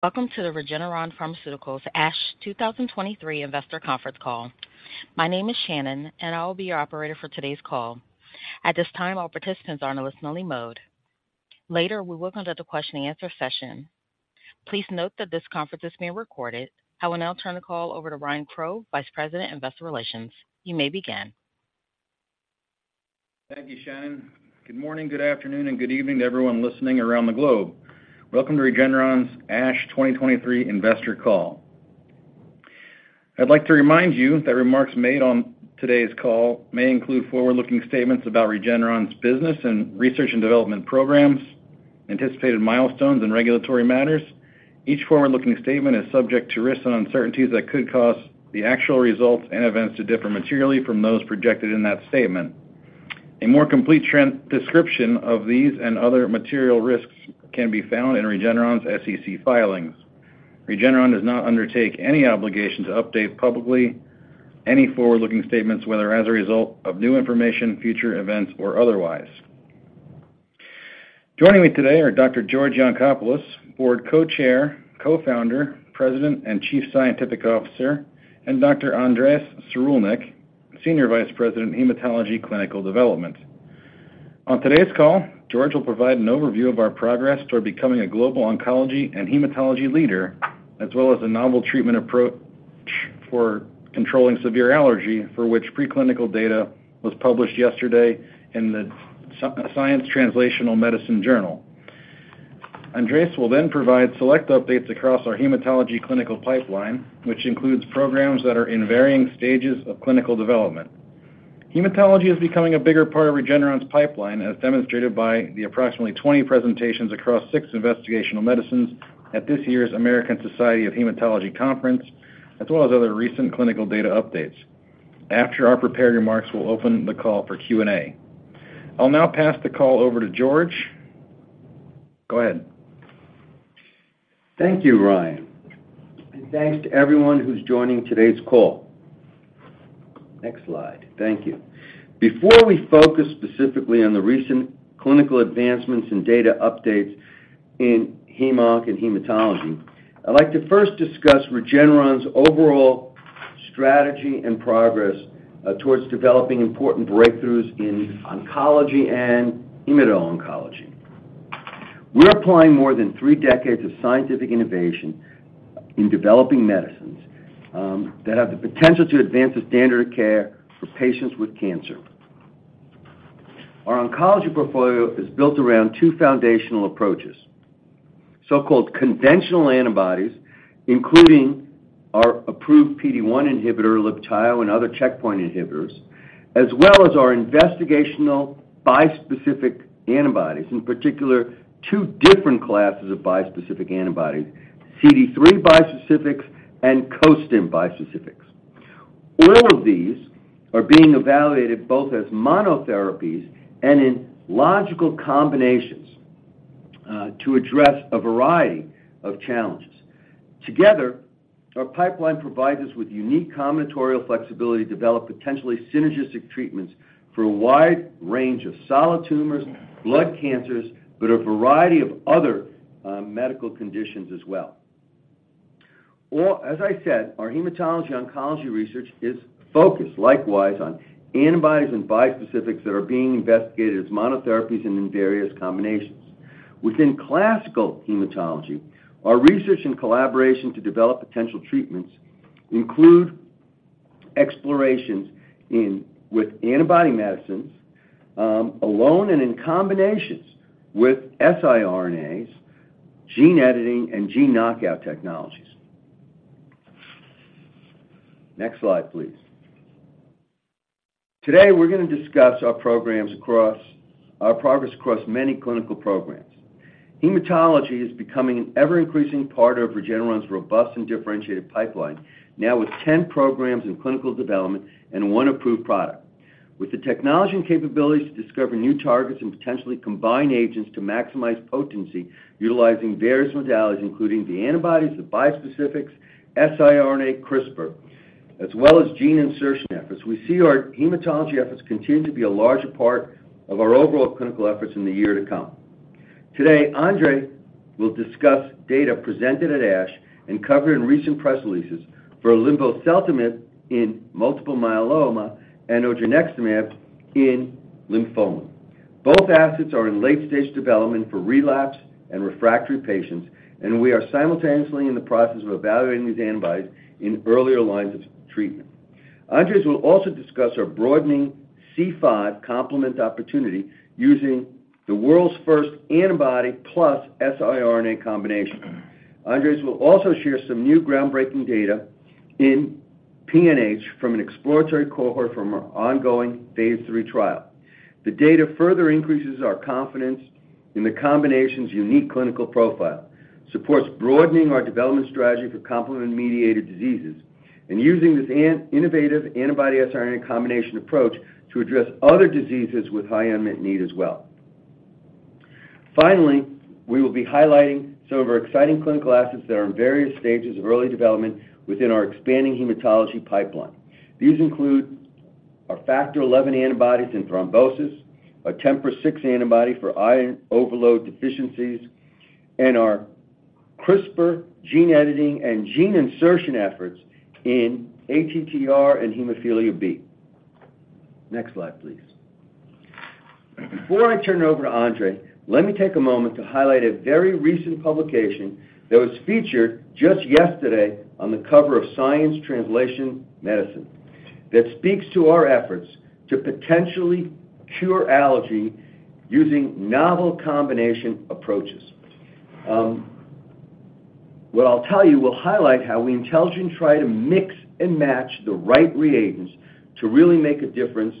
Welcome to the Regeneron Pharmaceuticals ASH 2023 Investor Conference Call. My name is Shannon, and I will be your operator for today's call. At this time, all participants are in a listen-only mode. Later, we will conduct a question-and-answer session. Please note that this conference is being recorded. I will now turn the call over to Ryan Crowe, Vice President, Investor Relations. You may begin. Thank you, Shannon. Good morning, good afternoon, and good evening to everyone listening around the globe. Welcome to Regeneron's ASH 2023 Investor Call. I'd like to remind you that remarks made on today's call may include forward-looking statements about Regeneron's business and research and development programs, anticipated milestones, and regulatory matters. Each forward-looking statement is subject to risks and uncertainties that could cause the actual results and events to differ materially from those projected in that statement. A more complete description of these and other material risks can be found in Regeneron's SEC filings. Regeneron does not undertake any obligation to update publicly any forward-looking statements, whether as a result of new information, future events, or otherwise. Joining me today are Dr. George Yancopoulos, Board Co-Chair, Co-Founder, President, and Chief Scientific Officer, and Dr. L. Andres Sirulnik, Senior Vice President, Hematology Clinical Development. On today's call, George will provide an overview of our progress toward becoming a global oncology and hematology leader, as well as a novel treatment approach for controlling severe allergy, for which preclinical data was published yesterday in the Science Translational Medicine Journal. Andres will then provide select updates across our hematology clinical pipeline, which includes programs that are in varying stages of clinical development. Hematology is becoming a bigger part of Regeneron's pipeline, as demonstrated by the approximately 20 presentations across six investigational medicines at this year's American Society of Hematology Conference, as well as other recent clinical data updates. After our prepared remarks, we'll open the call for Q&A. I'll now pass the call over to George. Go ahead. Thank you, Ryan, and thanks to everyone who's joining today's call. Next slide. Thank you. Before we focus specifically on the recent clinical advancements and data updates in heme and hematology, I'd like to first discuss Regeneron's overall strategy and progress towards developing important breakthroughs in oncology and immuno-oncology. We're applying more than three decades of scientific innovation in developing medicines that have the potential to advance the standard of care for patients with cancer. Our oncology portfolio is built around two foundational approaches: so-called conventional antibodies, including our approved PD-1 inhibitor, Libtayo, and other checkpoint inhibitors, as well as our investigational bispecific antibodies, in particular, two different classes of bispecific antibodies, CD3 bispecifics, and costim bispecifics. All of these are being evaluated both as monotherapies and in logical combinations to address a variety of challenges. Together, our pipeline provides us with unique combinatorial flexibility to develop potentially synergistic treatments for a wide range of solid tumors, blood cancers, but a variety of other medical conditions as well. Well, as I said, our hematology-oncology research is focused likewise on antibodies and bispecifics that are being investigated as monotherapies and in various combinations. Within classical hematology, our research and collaboration to develop potential treatments include explorations with antibody medicines, alone and in combinations with siRNAs, gene editing, and gene knockout technologies. Next slide, please. Today, we're gonna discuss our progress across many clinical programs. Hematology is becoming an ever-increasing part of Regeneron's robust and differentiated pipeline, now with 10 programs in clinical development and one approved product. With the technology and capabilities to discover new targets and potentially combine agents to maximize potency, utilizing various modalities, including the antibodies, the bispecifics, siRNA, CRISPR, as well as gene insertion efforts, we see our hematology efforts continue to be a larger part of our overall clinical efforts in the year to come. Today, Andres will discuss data presented at ASH and covered in recent press releases for linvoseltamab in multiple myeloma and odronextamab in lymphoma. Both assets are in late-stage development for relapse and refractory patients, and we are simultaneously in the process of evaluating these antibodies in earlier lines of treatment. Andres will also discuss our broadening C5 complement opportunity using the world's first antibody plus siRNA combination. Andres will also share some new groundbreaking data in PNH from an exploratory cohort from our ongoing phase III trial. The data further increases our confidence in the combination's unique clinical profile, supports broadening our development strategy for complement-mediated diseases, and using this innovative antibody siRNA combination approach to address other diseases with high unmet need as well. Finally, we will be highlighting some of our exciting clinical assets that are in various stages of early development within our expanding hematology pipeline. These include our Factor XI antibodies in thrombosis, our TMPRSS6 antibody for iron overload deficiencies, and our CRISPR gene editing and gene insertion efforts in ATTR and hemophilia B. Next slide, please. Before I turn it over to Andres, let me take a moment to highlight a very recent publication that was featured just yesterday on the cover of Science Translational Medicine, that speaks to our efforts to potentially cure allergy using novel combination approaches. What I'll tell you will highlight how we intelligently try to mix and match the right reagents to really make a difference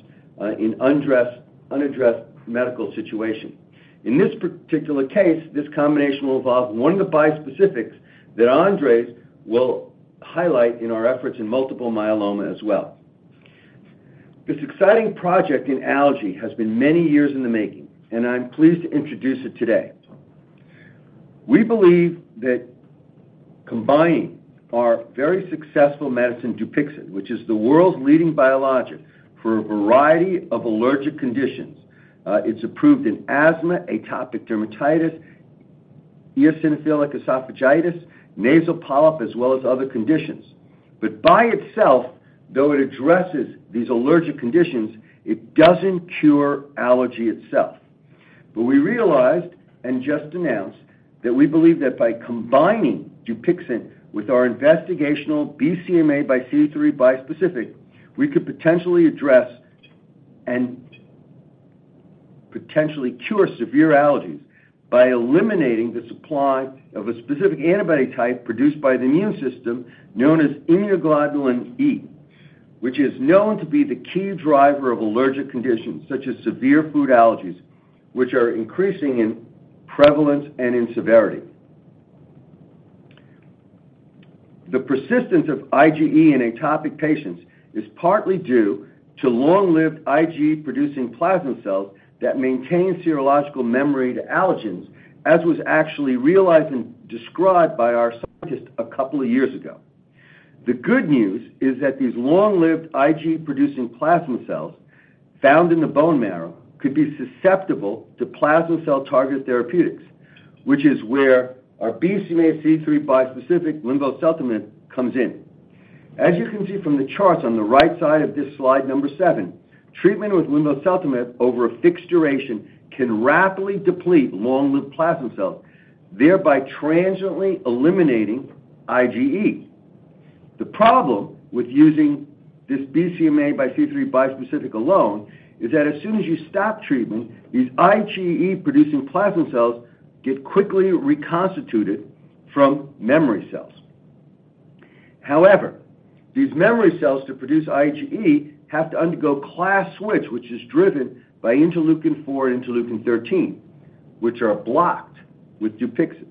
in unaddressed medical situation. In this particular case, this combination will involve one of the bispecifics that Andres will highlight in our efforts in multiple myeloma as well. This exciting project in allergy has been many years in the making, and I'm pleased to introduce it today. We believe that combining our very successful medicine, Dupixent, which is the world's leading biologic for a variety of allergic conditions. It's approved in asthma, atopic dermatitis, eosinophilic esophagitis, nasal polyp, as well as other conditions. But by itself, though it addresses these allergic conditions, it doesn't cure allergy itself. But we realized, and just announced, that we believe that by combining Dupixent with our investigational BCMA x CD3 bispecific, we could potentially address and potentially cure severe allergies by eliminating the supply of a specific antibody type produced by the immune system, known as immunoglobulin E, which is known to be the key driver of allergic conditions such as severe food allergies, which are increasing in prevalence and in severity. The persistence of IgE in atopic patients is partly due to long-lived IgE-producing plasma cells that maintain serological memory to allergens, as was actually realized and described by our scientists a couple of years ago. The good news is that these long-lived IgE-producing plasma cells found in the bone marrow could be susceptible to plasma cell target therapeutics, which is where our BCMA x CD3 bispecific linvoseltamab comes in. As you can see from the charts on the right side of this slide number 7, treatment with linvoseltamab over a fixed duration can rapidly deplete long-lived plasma cells, thereby transiently eliminating IgE. The problem with using this BCMA x CD3 bispecific alone, is that as soon as you stop treatment, these IgE-producing plasma cells get quickly reconstituted from memory cells. However, these memory cells to produce IgE, have to undergo class switch, which is driven by interleukin-4 and interleukin-13, which are blocked with Dupixent.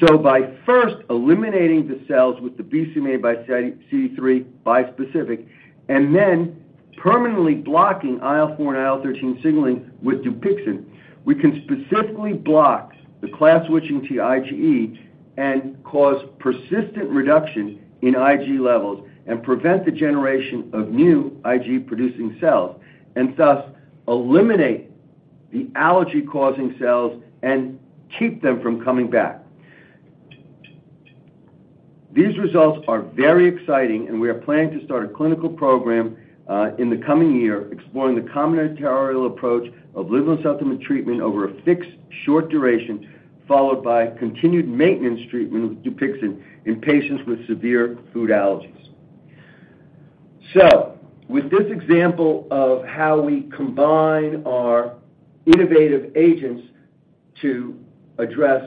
So by first eliminating the cells with the BCMA x CD3 bispecific, and then permanently blocking IL-4 and IL-13 signaling with Dupixent, we can specifically block the class switching to IgE and cause persistent reduction in IgE levels, and prevent the generation of new IgE-producing cells, and thus eliminate the allergy-causing cells and keep them from coming back. These results are very exciting, and we are planning to start a clinical program in the coming year, exploring the combinatorial approach of linvoseltamab treatment over a fixed short duration, followed by continued maintenance treatment with Dupixent in patients with severe food allergies. So with this example of how we combine our innovative agents to address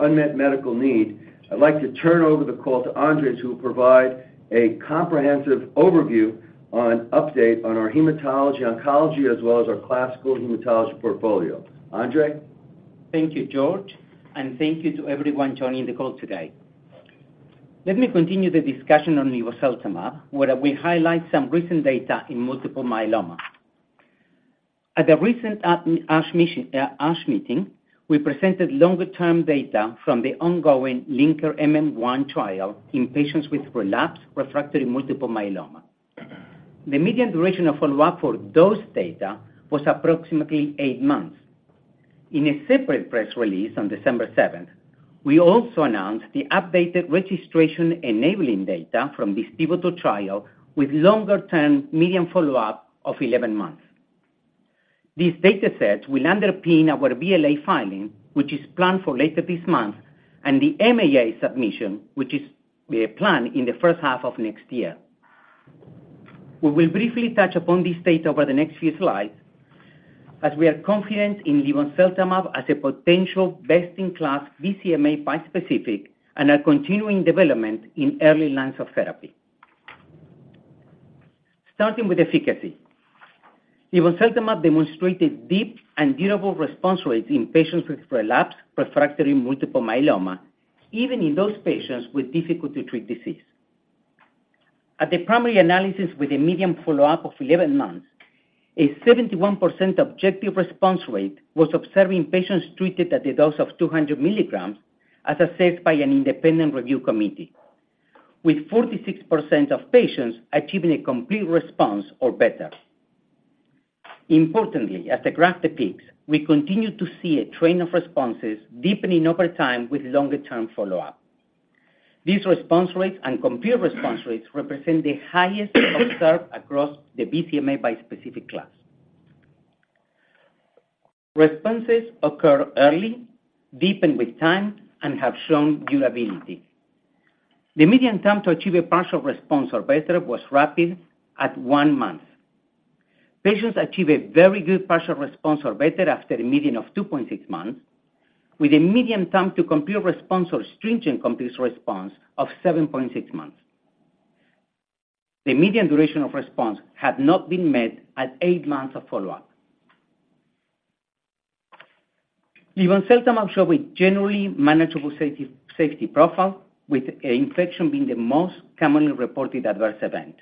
unmet medical need, I'd like to turn over the call to Andres, who will provide a comprehensive overview on update on our hematology, oncology, as well as our classical hematology portfolio. Andres? Thank you, George, and thank you to everyone joining the call today. Let me continue the discussion on linvoseltamab, where we highlight some recent data in multiple myeloma. At the recent ASH Meeting, we presented longer-term data from the ongoing Linker-MM1 trial in patients with relapsed refractory multiple myeloma. The median duration of follow-up for those data was approximately eight months. In a separate press release on December 7th, we also announced the updated registration enabling data from this pivotal trial with longer-term median follow-up of 11 months. This data set will underpin our BLA filing, which is planned for later this month, and the MAA submission, which is planned in the first half of next year. We will briefly touch upon this data over the next few slides, as we are confident in linvoseltamab as a potential best-in-class BCMA bispecific and are continuing development in early lines of therapy. Starting with efficacy. Linvoseltamab demonstrated deep and durable response rates in patients with relapsed refractory multiple myeloma, even in those patients with difficult-to-treat disease. At the primary analysis, with a median follow-up of 11 months. A 71% objective response rate was observed in patients treated at a dose of 200 mg, as assessed by an independent review committee, with 46% of patients achieving a complete response or better. Importantly, as the graph depicts, we continue to see a trend of responses deepening over time with longer-term follow-up. These response rates and complete response rates represent the highest observed across the BCMA bispecific class. Responses occur early, deepen with time, and have shown durability. The median time to achieve a partial response or better was rapid at one month. Patients achieve a very good partial response or better after a median of 2.6 months, with a median time to complete response or stringent complete response of 7.6 months. The median duration of response had not been met at eight months of follow-up. Linvoseltamab showed a generally manageable safety profile, with infection being the most commonly reported adverse event.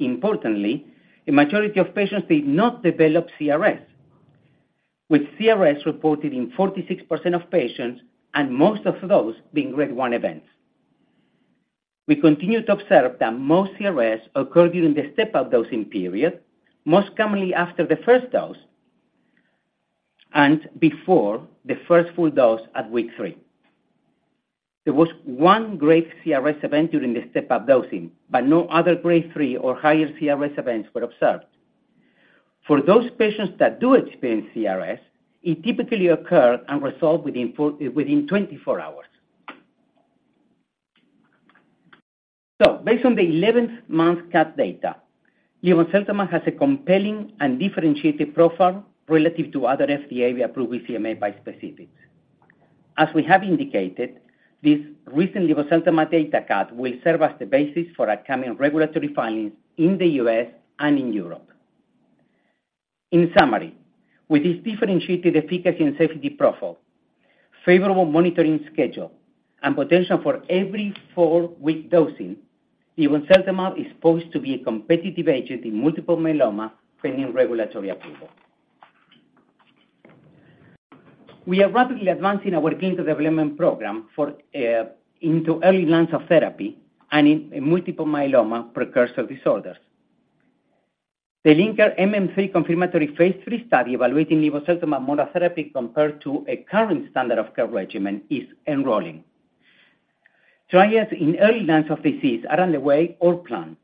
Importantly, a majority of patients did not develop CRS, with CRS reported in 46% of patients, and most of those being grade 1 events. We continue to observe that most CRS occurred during the step-up dosing period, most commonly after the first dose, and before the first full dose at week three. There was one grade CRS event during the step-up dosing, but no other grade 3 or higher CRS events were observed. For those patients that do experience CRS, it typically occur and resolve within 24 hours. So based on the 11th month cut data, linvoseltamab has a compelling and differentiated profile relative to other FDA-approved BCMA bispecifics. As we have indicated, this recent linvoseltamab data cut will serve as the basis for upcoming regulatory filings in the U.S. and in Europe. In summary, with this differentiated efficacy and safety profile, favorable monitoring schedule, and potential for every 4-week dosing, linvoseltamab is poised to be a competitive agent in multiple myeloma, pending regulatory approval. We are rapidly advancing our clinical development program for into early lines of therapy and in multiple myeloma precursor disorders. The Linker-MM3 confirmatory phase III study, evaluating linvoseltamab monotherapy compared to a current standard of care regimen, is enrolling. Trials in early lines of disease are underway or planned.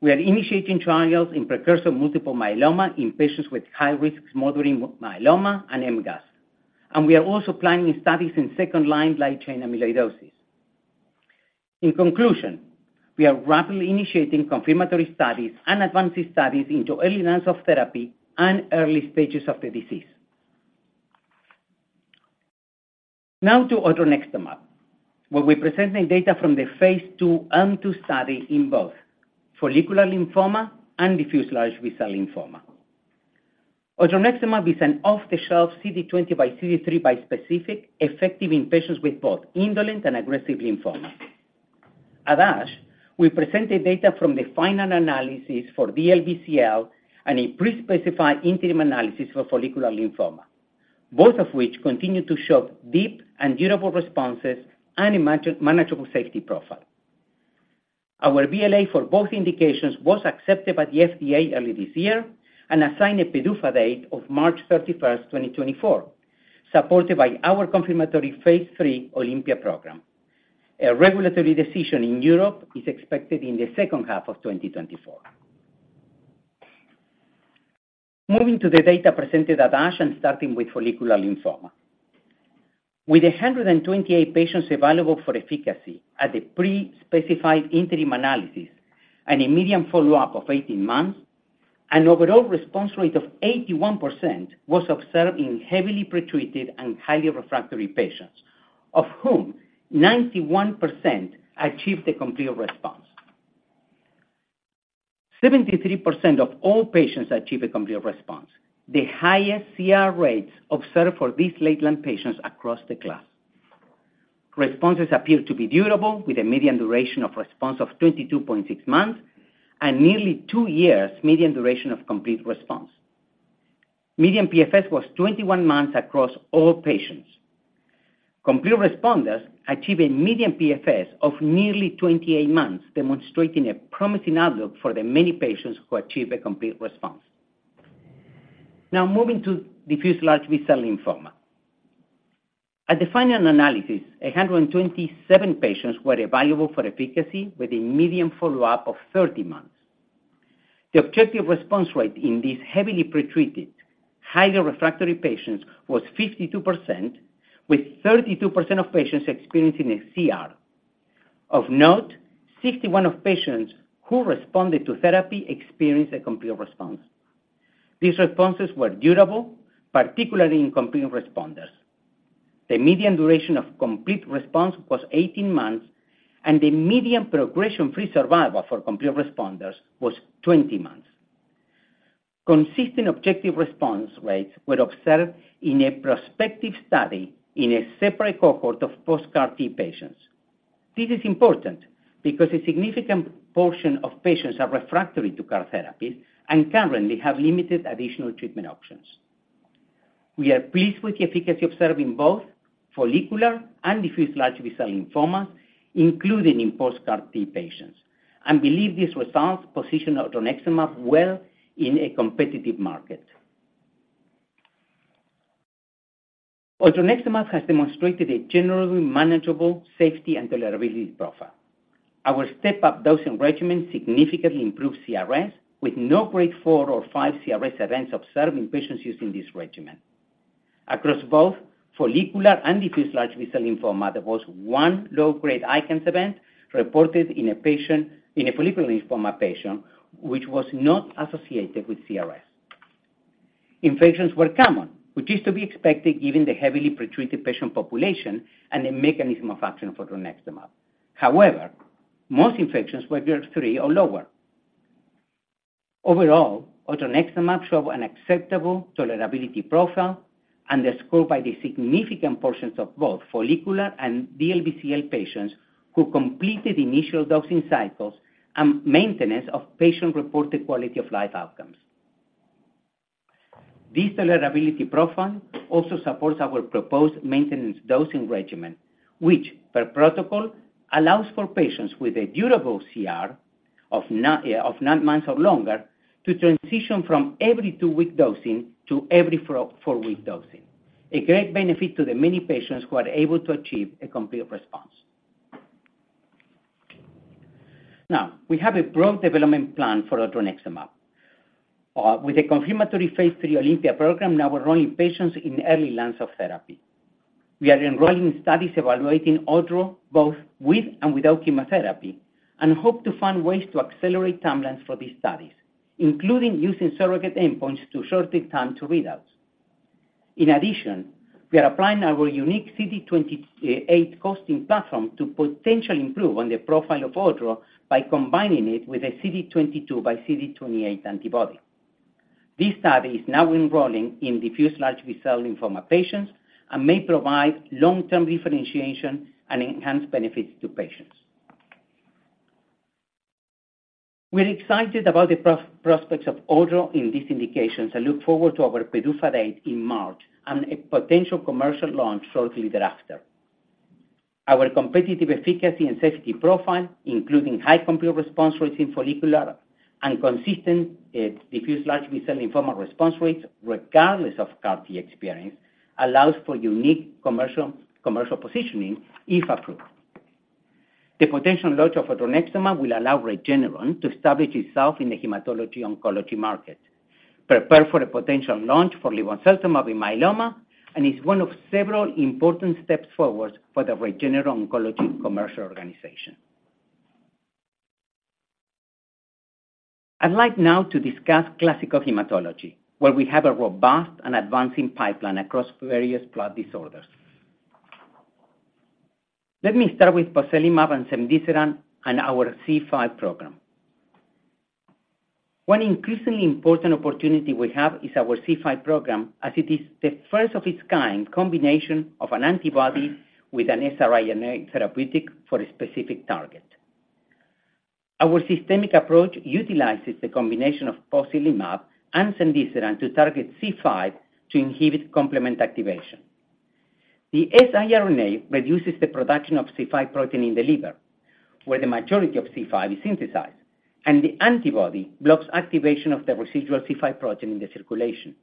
We are initiating trials in precursor multiple myeloma in patients with high-risk smoldering myeloma and MGUS, and we are also planning studies in second-line light chain amyloidosis. In conclusion, we are rapidly initiating confirmatory studies and advancing studies into early lines of therapy and early stages of the disease. Now to odronextamab, where we're presenting data from the phase II M2 study in both follicular lymphoma and diffuse large B-cell lymphoma. Odronextamab is an off-the-shelf CD20 x CD3 bispecific, effective in patients with both indolent and aggressive lymphoma. At ASH, we presented data from the final analysis for DLBCL and a pre-specified interim analysis for follicular lymphoma, both of which continue to show deep and durable responses and a manageable safety profile. Our BLA for both indications was accepted by the FDA early this year and assigned a PDUFA date of March 31st, 2024, supported by our confirmatory phase III Olympia program. A regulatory decision in Europe is expected in the second half of 2024. Moving to the data presented at ASH, and starting with follicular lymphoma. With 128 patients available for efficacy at the pre-specified interim analysis and a median follow-up of 18 months, an overall response rate of 81% was observed in heavily pretreated and highly refractory patients, of whom 91% achieved a complete response. 73% of all patients achieved a complete response, the highest CR rates observed for these late-line patients across the class. Responses appear to be durable, with a median duration of response of 22.6 months and nearly two years median duration of complete response. Median PFS was 21 months across all patients. Complete responders achieved a median PFS of nearly 28 months, demonstrating a promising outlook for the many patients who achieved a complete response. Now, moving to diffuse large B-cell lymphoma. At the final analysis, 127 patients were evaluable for efficacy, with a median follow-up of 30 months. The objective response rate in these heavily pretreated, highly refractory patients was 52%, with 32% of patients experiencing a CR. Of note, 61% of patients who responded to therapy experienced a complete response. These responses were durable, particularly in complete responders. The median duration of complete response was 18 months, and the median progression-free survival for complete responders was 20 months. Consistent objective response rates were observed in a prospective study in a separate cohort of post-CAR T patients. This is important because a significant portion of patients are refractory to CAR therapies and currently have limited additional treatment options. We are pleased with the efficacy observed in both follicular and diffuse large B-cell lymphomas, including in post-CAR T patients, and believe these results position odronextamab well in a competitive market. Odronextamab has demonstrated a generally manageable safety and tolerability profile. Our step-up dosing regimen significantly improved CRS, with no grade 4 or 5 CRS events observed in patients using this regimen. Across both follicular and diffuse large B-cell lymphoma, there was 1 low-grade ICANS event reported in a follicular lymphoma patient, which was not associated with CRS. Infections were common, which is to be expected given the heavily pretreated patient population and the mechanism of action of odronextamab. However, most infections were grade 3 or lower. Overall, odronextamab showed an acceptable tolerability profile, underscored by the significant portions of both follicular and DLBCL patients who completed initial dosing cycles and maintenance of patient-reported quality of life outcomes. This tolerability profile also supports our proposed maintenance dosing regimen, which, per protocol, allows for patients with a durable CR of 9 months or longer, to transition from every 2-week dosing to every 4-week dosing, a great benefit to the many patients who are able to achieve a complete response. Now, we have a broad development plan for odronextamab, with a confirmatory phase III Olympia program now enrolling patients in early lines of therapy. We are enrolling studies evaluating odronextamab, both with and without chemotherapy, and hope to find ways to accelerate timelines for these studies, including using surrogate endpoints to shorten time to readouts. In addition, we are applying our unique CD28 co-stimulation platform to potentially improve on the profile of odronextamab by combining it with a CD20 x CD28 antibody. This study is now enrolling in diffuse large B-cell lymphoma patients and may provide long-term differentiation and enhanced benefits to patients. We're excited about the prospects of odronextamab in these indications and look forward to our PDUFA date in March and a potential commercial launch shortly thereafter. Our competitive efficacy and safety profile, including high complete response rates in follicular and consistent, diffuse large B-cell lymphoma response rates, regardless of CAR T experience, allows for unique commercial, commercial positioning if approved. The potential launch of odronextamab will allow Regeneron to establish itself in the hematology oncology market, prepare for a potential launch for linvoseltamab in myeloma, and is one of several important steps forward for the Regeneron Oncology commercial organization. I'd like now to discuss classical hematology, where we have a robust and advancing pipeline across various blood disorders. Let me start with pozelimab and cemdisiran, and our C5 program. One increasingly important opportunity we have is our C5 program, as it is the first of its kind combination of an antibody with an siRNA therapeutic for a specific target. Our systemic approach utilizes the combination of pozelimab and cemdisiran to target C5 to inhibit complement activation. The siRNA reduces the production of C5 protein in the liver, where the majority of C5 is synthesized, and the antibody blocks activation of the residual C5 protein in the circulation.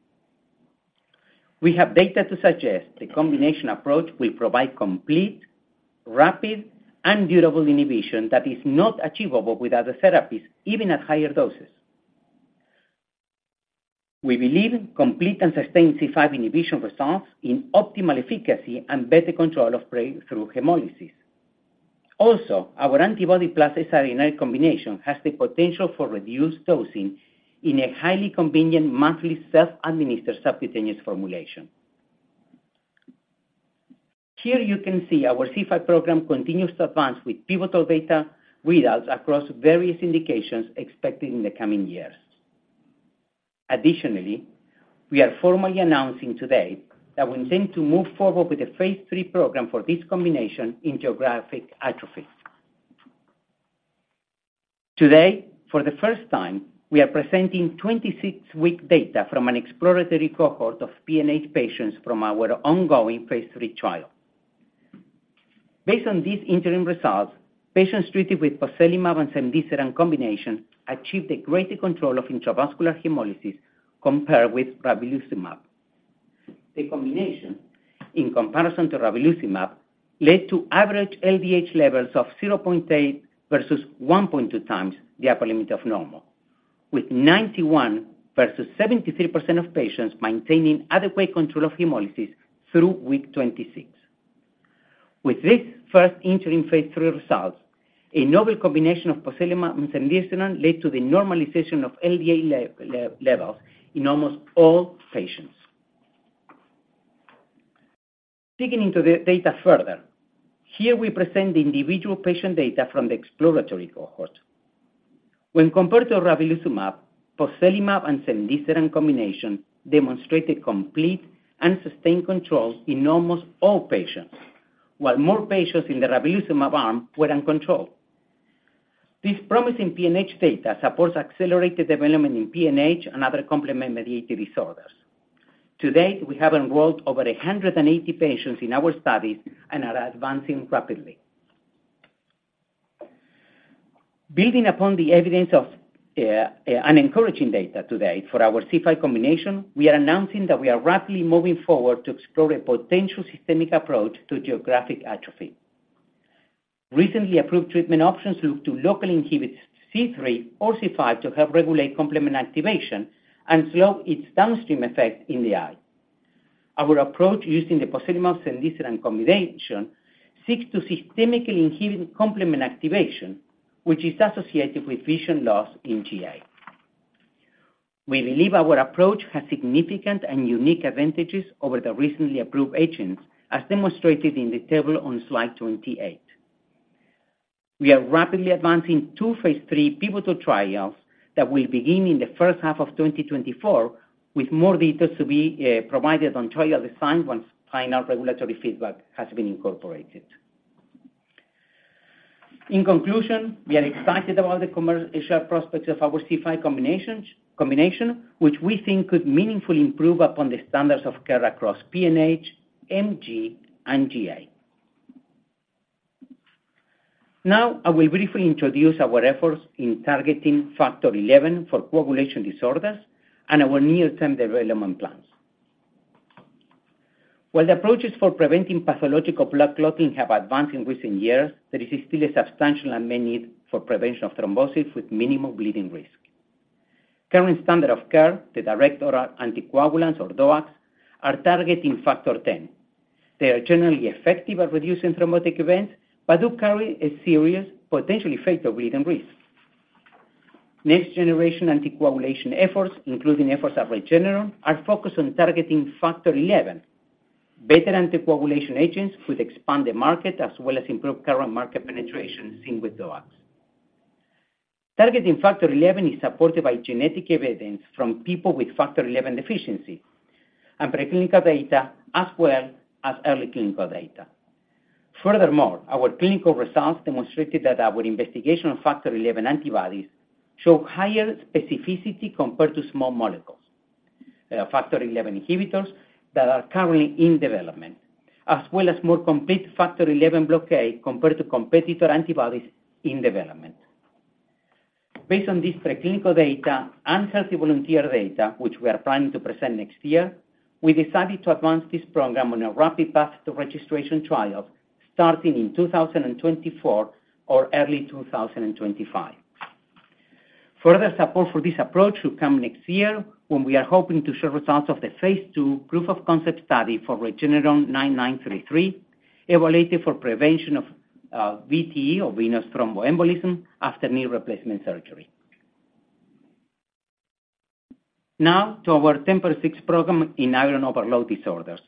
We have data to suggest the combination approach will provide complete, rapid, and durable inhibition that is not achievable with other therapies, even at higher doses. We believe complete and sustained C5 inhibition results in optimal efficacy and better control of breakthrough hemolysis. Also, our antibody plus siRNA combination has the potential for reduced dosing in a highly convenient, monthly, self-administered subcutaneous formulation. Here you can see our C5 program continues to advance with pivotal data readouts across various indications expected in the coming years. Additionally, we are formally announcing today that we intend to move forward with a phase III program for this combination in geographic atrophy. Today, for the first time, we are presenting 26-week data from an exploratory cohort of PNH patients from our ongoing phase III trial. Based on these interim results, patients treated with pozelimab and cemdisiran combination achieved a greater control of intravascular hemolysis compared with ravulizumab. The combination, in comparison to ravulizumab, led to average LDH levels of 0.8 versus 1.2x the upper limit of normal, with 91% versus 73% of patients maintaining adequate control of hemolysis through week 26. With this first interim phase III result, a novel combination of pozelimab and cemdisiran led to the normalization of LDH levels in almost all patients. Digging into the data further, here we present the individual patient data from the exploratory cohort. When compared to ravulizumab, pozelimab and cemdisiran combination demonstrated complete and sustained control in almost all patients, while more patients in the ravulizumab arm were in control. This promising PNH data supports accelerated development in PNH and other complement-mediated disorders. To date, we have enrolled over 180 patients in our studies and are advancing rapidly. Building upon the evidence of, and encouraging data today for our C5 combination, we are announcing that we are rapidly moving forward to explore a potential systemic approach to geographic atrophy. Recently approved treatment options look to locally inhibit C3 or C5 to help regulate complement activation and slow its downstream effect in the eye. Our approach, using the pozelimab cemdisiran combination, seeks to systemically inhibit complement activation, which is associated with vision loss in GA. We believe our approach has significant and unique advantages over the recently approved agents, as demonstrated in the table on slide 28. We are rapidly advancing two phase III pivotal trials that will begin in the first half of 2024, with more details to be provided on trial design once final regulatory feedback has been incorporated. In conclusion, we are excited about the commercial prospects of our C5 combination, which we think could meaningfully improve upon the standards of care across PNH, MG, and GA. Now, I will briefly introduce our efforts in targeting Factor XI for coagulation disorders and our near-term development plans. While the approaches for preventing pathological blood clotting have advanced in recent years, there is still a substantial unmet need for prevention of thrombosis with minimal bleeding risk. Current standard of care, the direct oral anticoagulants, or DOACs, are targeting Factor X. They are generally effective at reducing thrombotic events, but do carry a serious, potentially fatal bleeding risk. Next-generation anticoagulation efforts, including efforts at Regeneron, are focused on targeting Factor XI. Better anticoagulation agents could expand the market, as well as improve current market penetration seen with DOACs. Targeting Factor XI is supported by genetic evidence from people with Factor XI deficiency and preclinical data, as well as early clinical data. Furthermore, our clinical results demonstrated that our investigational Factor XI antibodies show higher specificity compared to small molecules, factor XI inhibitors that are currently in development, as well as more complete Factor XI blockade compared to competitor antibodies in development. Based on this preclinical data and healthy volunteer data, which we are planning to present next year, we decided to advance this program on a rapid path to registration trial starting in 2024 or early 2025. Further support for this approach will come next year, when we are hoping to share results of the phase II proof of concept study for REGN9933, evaluated for prevention of VTE, or venous thromboembolism, after knee replacement surgery. Now to our TMPRSS6 program in iron overload disorders,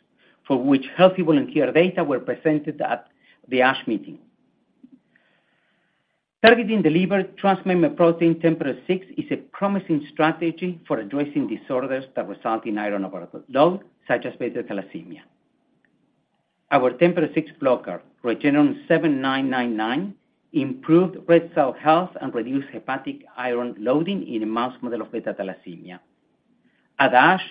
for which healthy volunteer data were presented at the ASH meeting. Targeting the liver transmembrane protein TMPRSS6 is a promising strategy for addressing disorders that result in iron overload, such as beta thalassemia. Our TMPRSS6 blocker, REGN7999, improved red cell health and reduced hepatic iron loading in a mouse model of beta thalassemia. At ASH,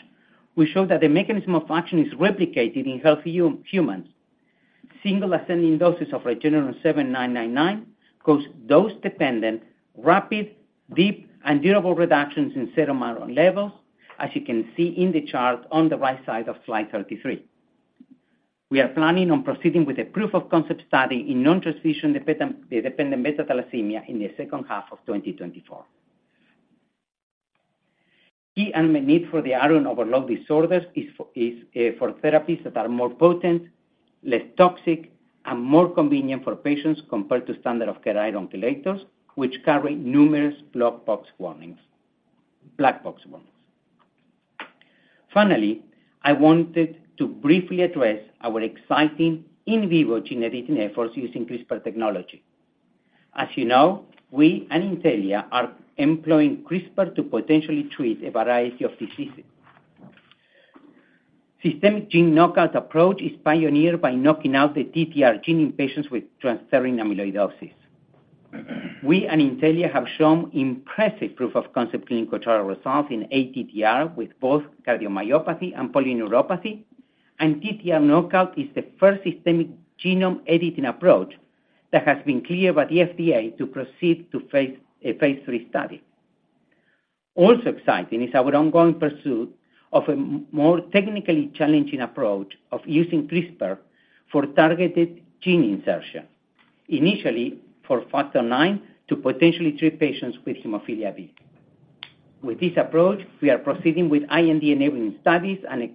we showed that the mechanism of action is replicated in healthy humans. Single ascending doses of REGN7999 caused dose-dependent, rapid, deep, and durable reductions in serum iron levels, as you can see in the chart on the right side of slide 33. We are planning on proceeding with a proof of concept study in non-transfusion dependent beta thalassemia in the second half of 2024. Key unmet need for the iron overload disorders is for therapies that are more potent, less toxic, and more convenient for patients compared to standard of care iron chelators, which carry numerous black box warnings. Finally, I wanted to briefly address our exciting in vivo gene editing efforts using CRISPR technology. As you know, we and Intellia are employing CRISPR to potentially treat a variety of diseases. Systemic gene knockout approach is pioneered by knocking out the TTR gene in patients with transthyretin amyloidosis. We and Intellia have shown impressive proof-of-concept clinical trial results in ATTR with both cardiomyopathy and polyneuropathy, and TTR knockout is the first systemic genome editing approach that has been cleared by the FDA to proceed to phase III study. Also exciting is our ongoing pursuit of a more technically challenging approach of using CRISPR for targeted gene insertion, initially for factor IX, to potentially treat patients with hemophilia B. With this approach, we are proceeding with IND-enabling studies, and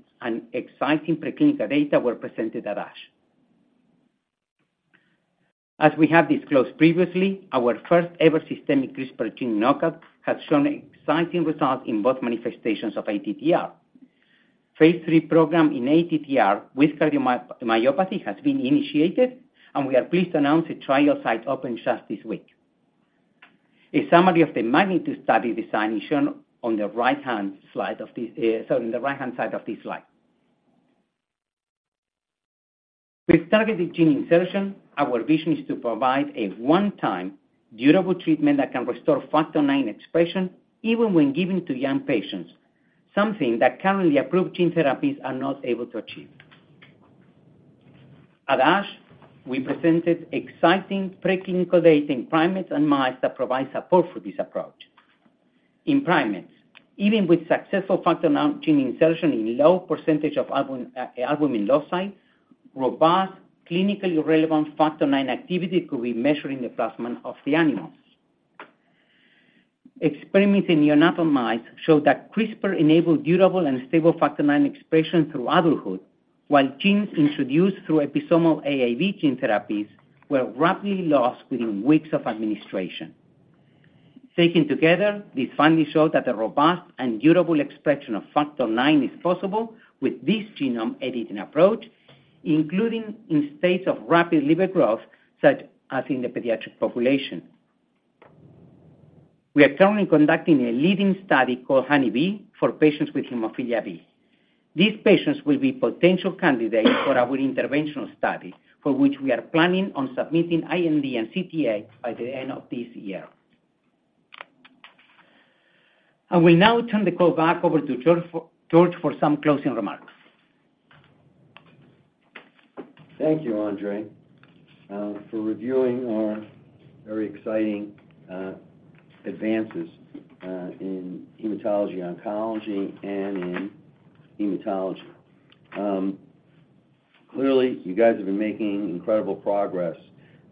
exciting preclinical data were presented at ASH. As we have disclosed previously, our first-ever systemic CRISPR gene knockout has shown exciting results in both manifestations of ATTR. Phase III program in ATTR with cardiomyopathy has been initiated, and we are pleased to announce a trial site open just this week. A summary of the MAGNITUDE study design is shown on the right-hand slide of this, so in the right-hand side of this slide. With targeted gene insertion, our vision is to provide a one-time durable treatment that can restore Factor IX expression even when given to young patients, something that currently approved gene therapies are not able to achieve. At ASH, we presented exciting preclinical data in primates and mice that provide support for this approach. In primates, even with successful Factor IX gene insertion in low percentage of albumin locus, robust, clinically relevant Factor IX activity could be measured in the plasma of the animals. Experiments in neonatal mice showed that CRISPR-enabled durable and stable Factor IX expression through adulthood, while genes introduced through episomal AAV gene therapies were rapidly lost within weeks of administration. Taken together, these findings show that a robust and durable expression of Factor IX is possible with this genome editing approach, including in states of rapid liver growth, such as in the pediatric population. We are currently conducting a leading study called Honeybee for patients with hemophilia B. These patients will be potential candidates for our interventional study, for which we are planning on submitting IND and CTA by the end of this year. I will now turn the call back over to George for some closing remarks. Thank you, Andres, for reviewing our very exciting advances in hematology, oncology, and in hematology. Clearly, you guys have been making incredible progress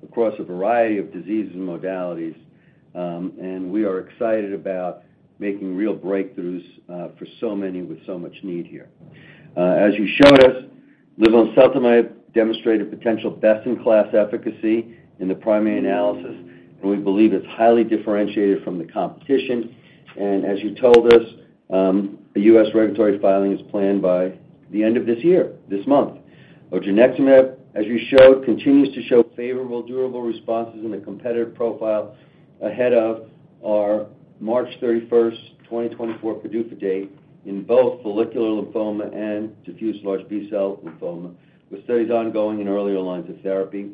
across a variety of diseases and modalities, and we are excited about making real breakthroughs for so many with so much need here. As you showed us, linvoseltamab demonstrated potential best-in-class efficacy in the primary analysis, and we believe it's highly differentiated from the competition. And as you told us, a U.S. regulatory filing is planned by the end of this year, this month. Odronextamab, as you showed, continues to show favorable, durable responses in the competitive profile ahead of our March 31st, 2024 PDUFA date in both follicular lymphoma and diffuse large B-cell lymphoma, with studies ongoing in earlier lines of therapy.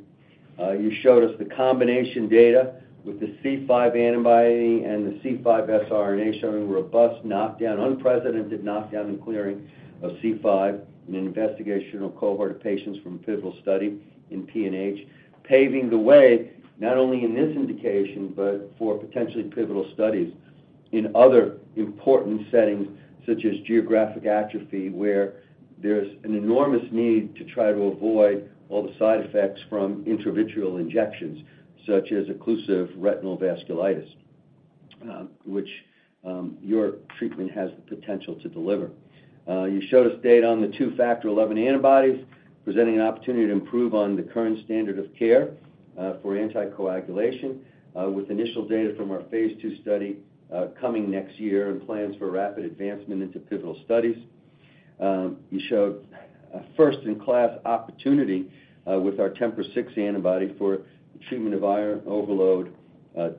You showed us the combination data with the C5 antibody and the C5 siRNA showing robust knockdown, unprecedented knockdown and clearing of C5 in an investigational cohort of patients from a pivotal study in PNH, paving the way not only in this indication, but for potentially pivotal studies in other important settings, such as geographic atrophy, where there's an enormous need to try to avoid all the side effects from intravitreal injections, such as occlusive retinal vasculitis, which your treatment has the potential to deliver. You showed us data on the two Factor XI antibodies, presenting an opportunity to improve on the current standard of care for anticoagulation, with initial data from our phase II study coming next year and plans for rapid advancement into pivotal studies. You showed a first-in-class opportunity with our TMPRSS6 antibody for the treatment of iron overload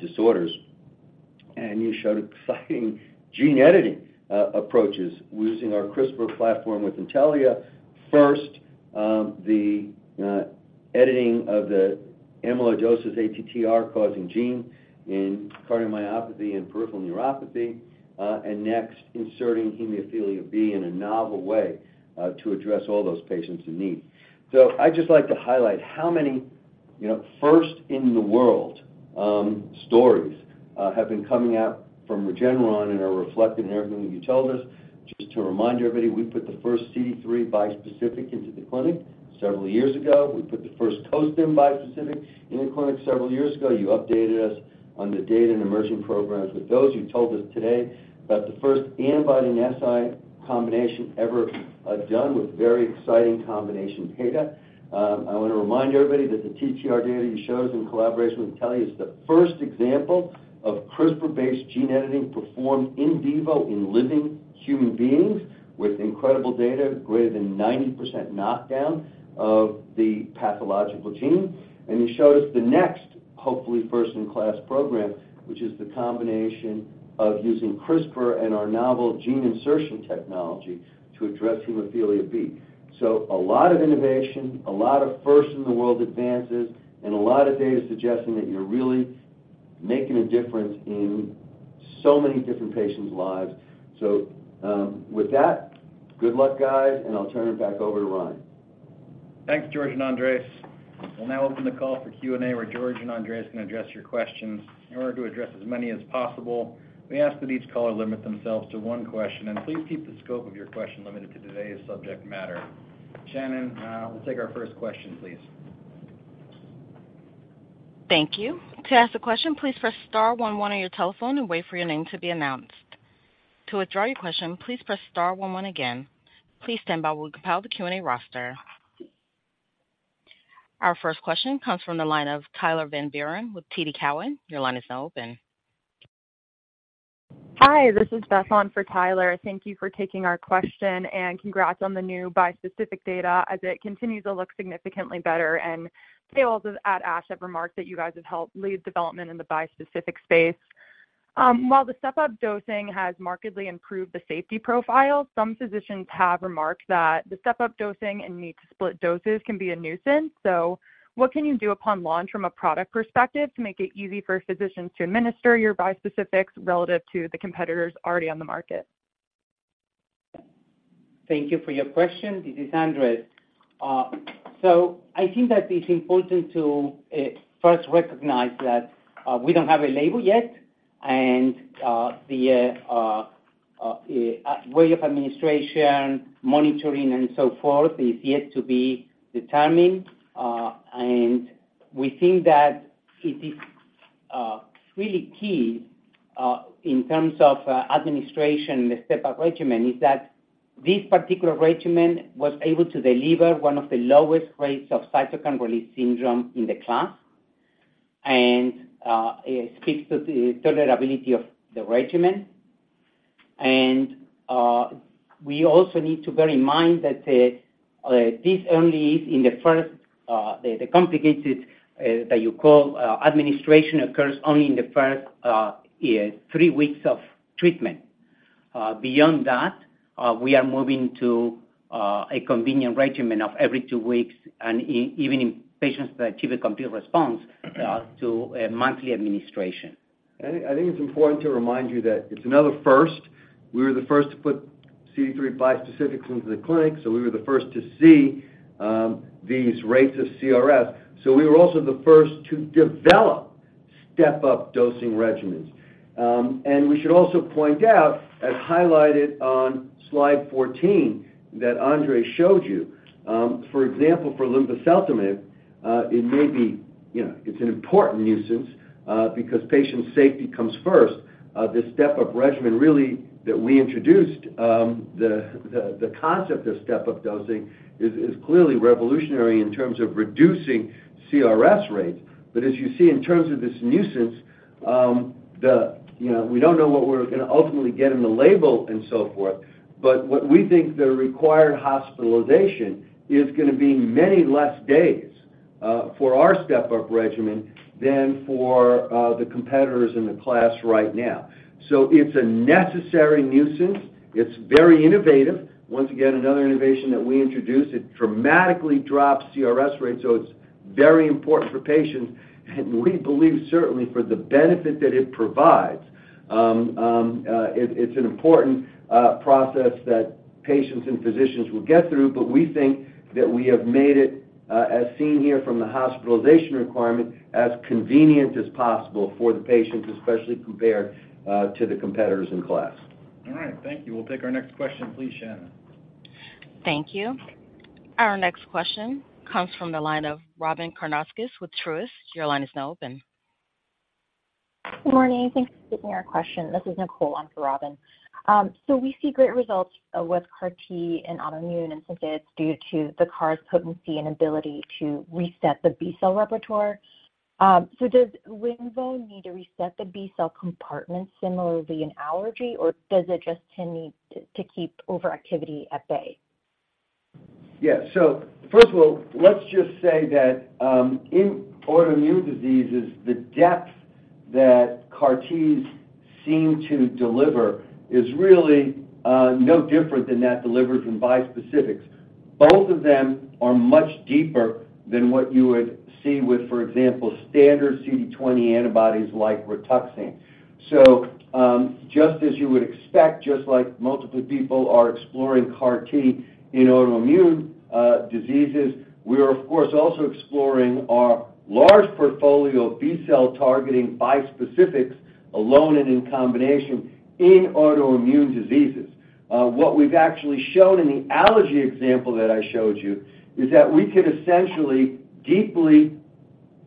disorders. You showed exciting gene editing approaches using our CRISPR platform with Intellia. First, the editing of the amyloidosis ATTR-causing gene in cardiomyopathy and peripheral neuropathy, and next, inserting hemophilia B in a novel way to address all those patients in need. So I'd just like to highlight how many, you know, first in the world stories have been coming out from Regeneron and are reflected in everything that you told us. Just to remind everybody, we put the first CD3 bispecific into the clinic several years ago. We put the first co-stim bispecific in the clinic several years ago. You updated us on the data and emerging programs with those. You told us today about the first antibody and SI combination ever, done with very exciting combination data. I want to remind everybody that the TTR data you showed us in collaboration with Intellia is the first example of CRISPR-based gene editing performed in vivo in living human beings with incredible data, greater than 90% knockdown of the pathological gene. And you showed us the next, hopefully, first-in-class program, which is the combination of using CRISPR and our novel gene insertion technology to address hemophilia B. So a lot of innovation, a lot of first-in-the-world advances, and a lot of data suggesting that you're really making a difference in so many different patients' lives. So, with that, good luck, guys, and I'll turn it back over to Ryan. Thanks, George and Andres. We'll now open the call for Q&A, where George and Andres can address your questions. In order to address as many as possible, we ask that each caller limit themselves to one question, and please keep the scope of your question limited to today's subject matter. Shannon, we'll take our first question, please. Thank you. To ask a question, please press star one one on your telephone and wait for your name to be announced. To withdraw your question, please press star one one again. Please stand by while we compile the Q&A roster. Our first question comes from the line of Tyler Van Buren with TD Cowen. Your line is now open. Hi, this is Beth on for Tyler. Thank you for taking our question, and congrats on the new bispecific data as it continues to look significantly better. Panels at ASH have remarked that you guys have helped lead development in the bispecific space. While the step-up dosing has markedly improved the safety profile, some physicians have remarked that the step-up dosing and need to split doses can be a nuisance. So what can you do upon launch from a product perspective to make it easy for physicians to administer your bispecifics relative to the competitors already on the market? Thank you for your question. This is Andres. So I think that it's important to first recognize that we don't have a label yet, and the way of administration, monitoring, and so forth is yet to be determined. And we think that it is really key in terms of administration, the step-up regimen, is that this particular regimen was able to deliver one of the lowest rates of cytokine release syndrome in the class, and it speaks to the tolerability of the regimen. And we also need to bear in mind that this only is in the first, the complicated that you call administration occurs only in the first three weeks of treatment. Beyond that, we are moving to a convenient regimen of every two weeks, and even in patients that achieve a complete response, to a monthly administration. I think it's important to remind you that it's another first. We were the first to put CD3 bispecifics into the clinic, so we were the first to see these rates of CRS. So we were also the first to develop step-up dosing regimens. And we should also point out, as highlighted on slide 14 that Andres showed you, for example, for linvoseltamab, it may be, you know, it's an important nuance, because patient safety comes first. This step-up regimen, really, that we introduced, the concept of step-up dosing is clearly revolutionary in terms of reducing CRS rates. But as you see in terms of this nuisance, you know, we don't know what we're gonna ultimately get in the label and so forth, but what we think the required hospitalization is gonna be many less days for our step-up regimen than for the competitors in the class right now. So it's a necessary nuisance. It's very innovative. Once again, another innovation that we introduced, it dramatically drops CRS rates, so it's very important for patients, and we believe, certainly, for the benefit that it provides. It's an important process that patients and physicians will get through, but we think that we have made it, as seen here from the hospitalization requirement, as convenient as possible for the patients, especially compared to the competitors in class. All right, thank you. We'll take our next question, please, Shannon. Thank you. Our next question comes from the line of Robyn Karnauskas with Truist. Your line is now open. Good morning. Thanks for taking our question. This is Nicole on for Robyn. So we see great results with CAR T in autoimmune, and think it's due to the CAR's potency and ability to reset the B-cell repertoire. So does Linvo need to reset the B-cell compartment similarly in allergy, or does it just need to keep overactivity at bay? Yeah. So first of all, let's just say that, in autoimmune diseases, the depth that CAR Ts seem to deliver is really no different than that delivered from bispecifics. Both of them are much deeper than what you would see with, for example, standard CD20 antibodies like Rituxan. So, just as you would expect, just like multiple people are exploring CAR T in autoimmune diseases, we are, of course, also exploring our large portfolio of B-cell targeting bispecifics alone and in combination in autoimmune diseases. What we've actually shown in the allergy example that I showed you is that we could essentially, deeply,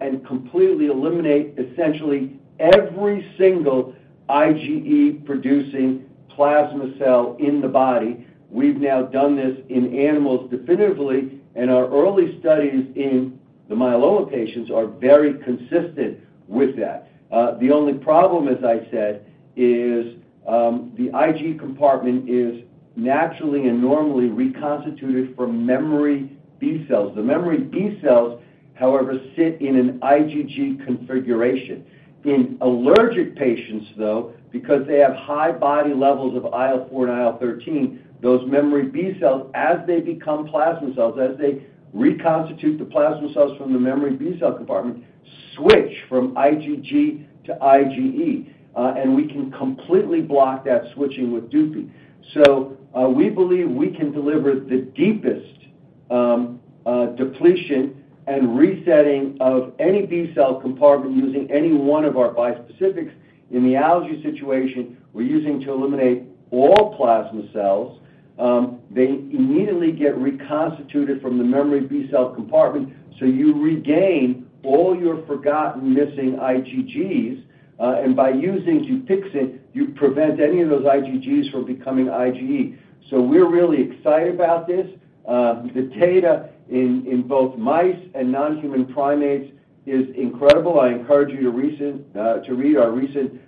and completely eliminate essentially every single IgE-producing plasma cell in the body. We've now done this in animals definitively, and our early studies in the myeloma patients are very consistent with that. The only problem, as I said, is, the IgE compartment is naturally and normally reconstituted from memory B-cells. The memory B cells, however, sit in an IgG configuration. In allergic patients, though, because they have high body levels of IL-4 and IL-13, those memory B-cells, as they become plasma cells, as they reconstitute the plasma cells from the memory B-cell compartment, switch from IgG to IgE, and we can completely block that switching with Dupixent. So, we believe we can deliver the deepest depletion and resetting of any B-cell compartment using any one of our bispecifics. In the allergy situation, we're using to eliminate all plasma cells, they immediately get reconstituted from the memory B-cell compartment, so you regain all your forgotten missing IgGs, and by using Dupixent, you prevent any of those IgGs from becoming IgE. So we're really excited about this. The data in both mice and non-human primates is incredible. I encourage you to read our recent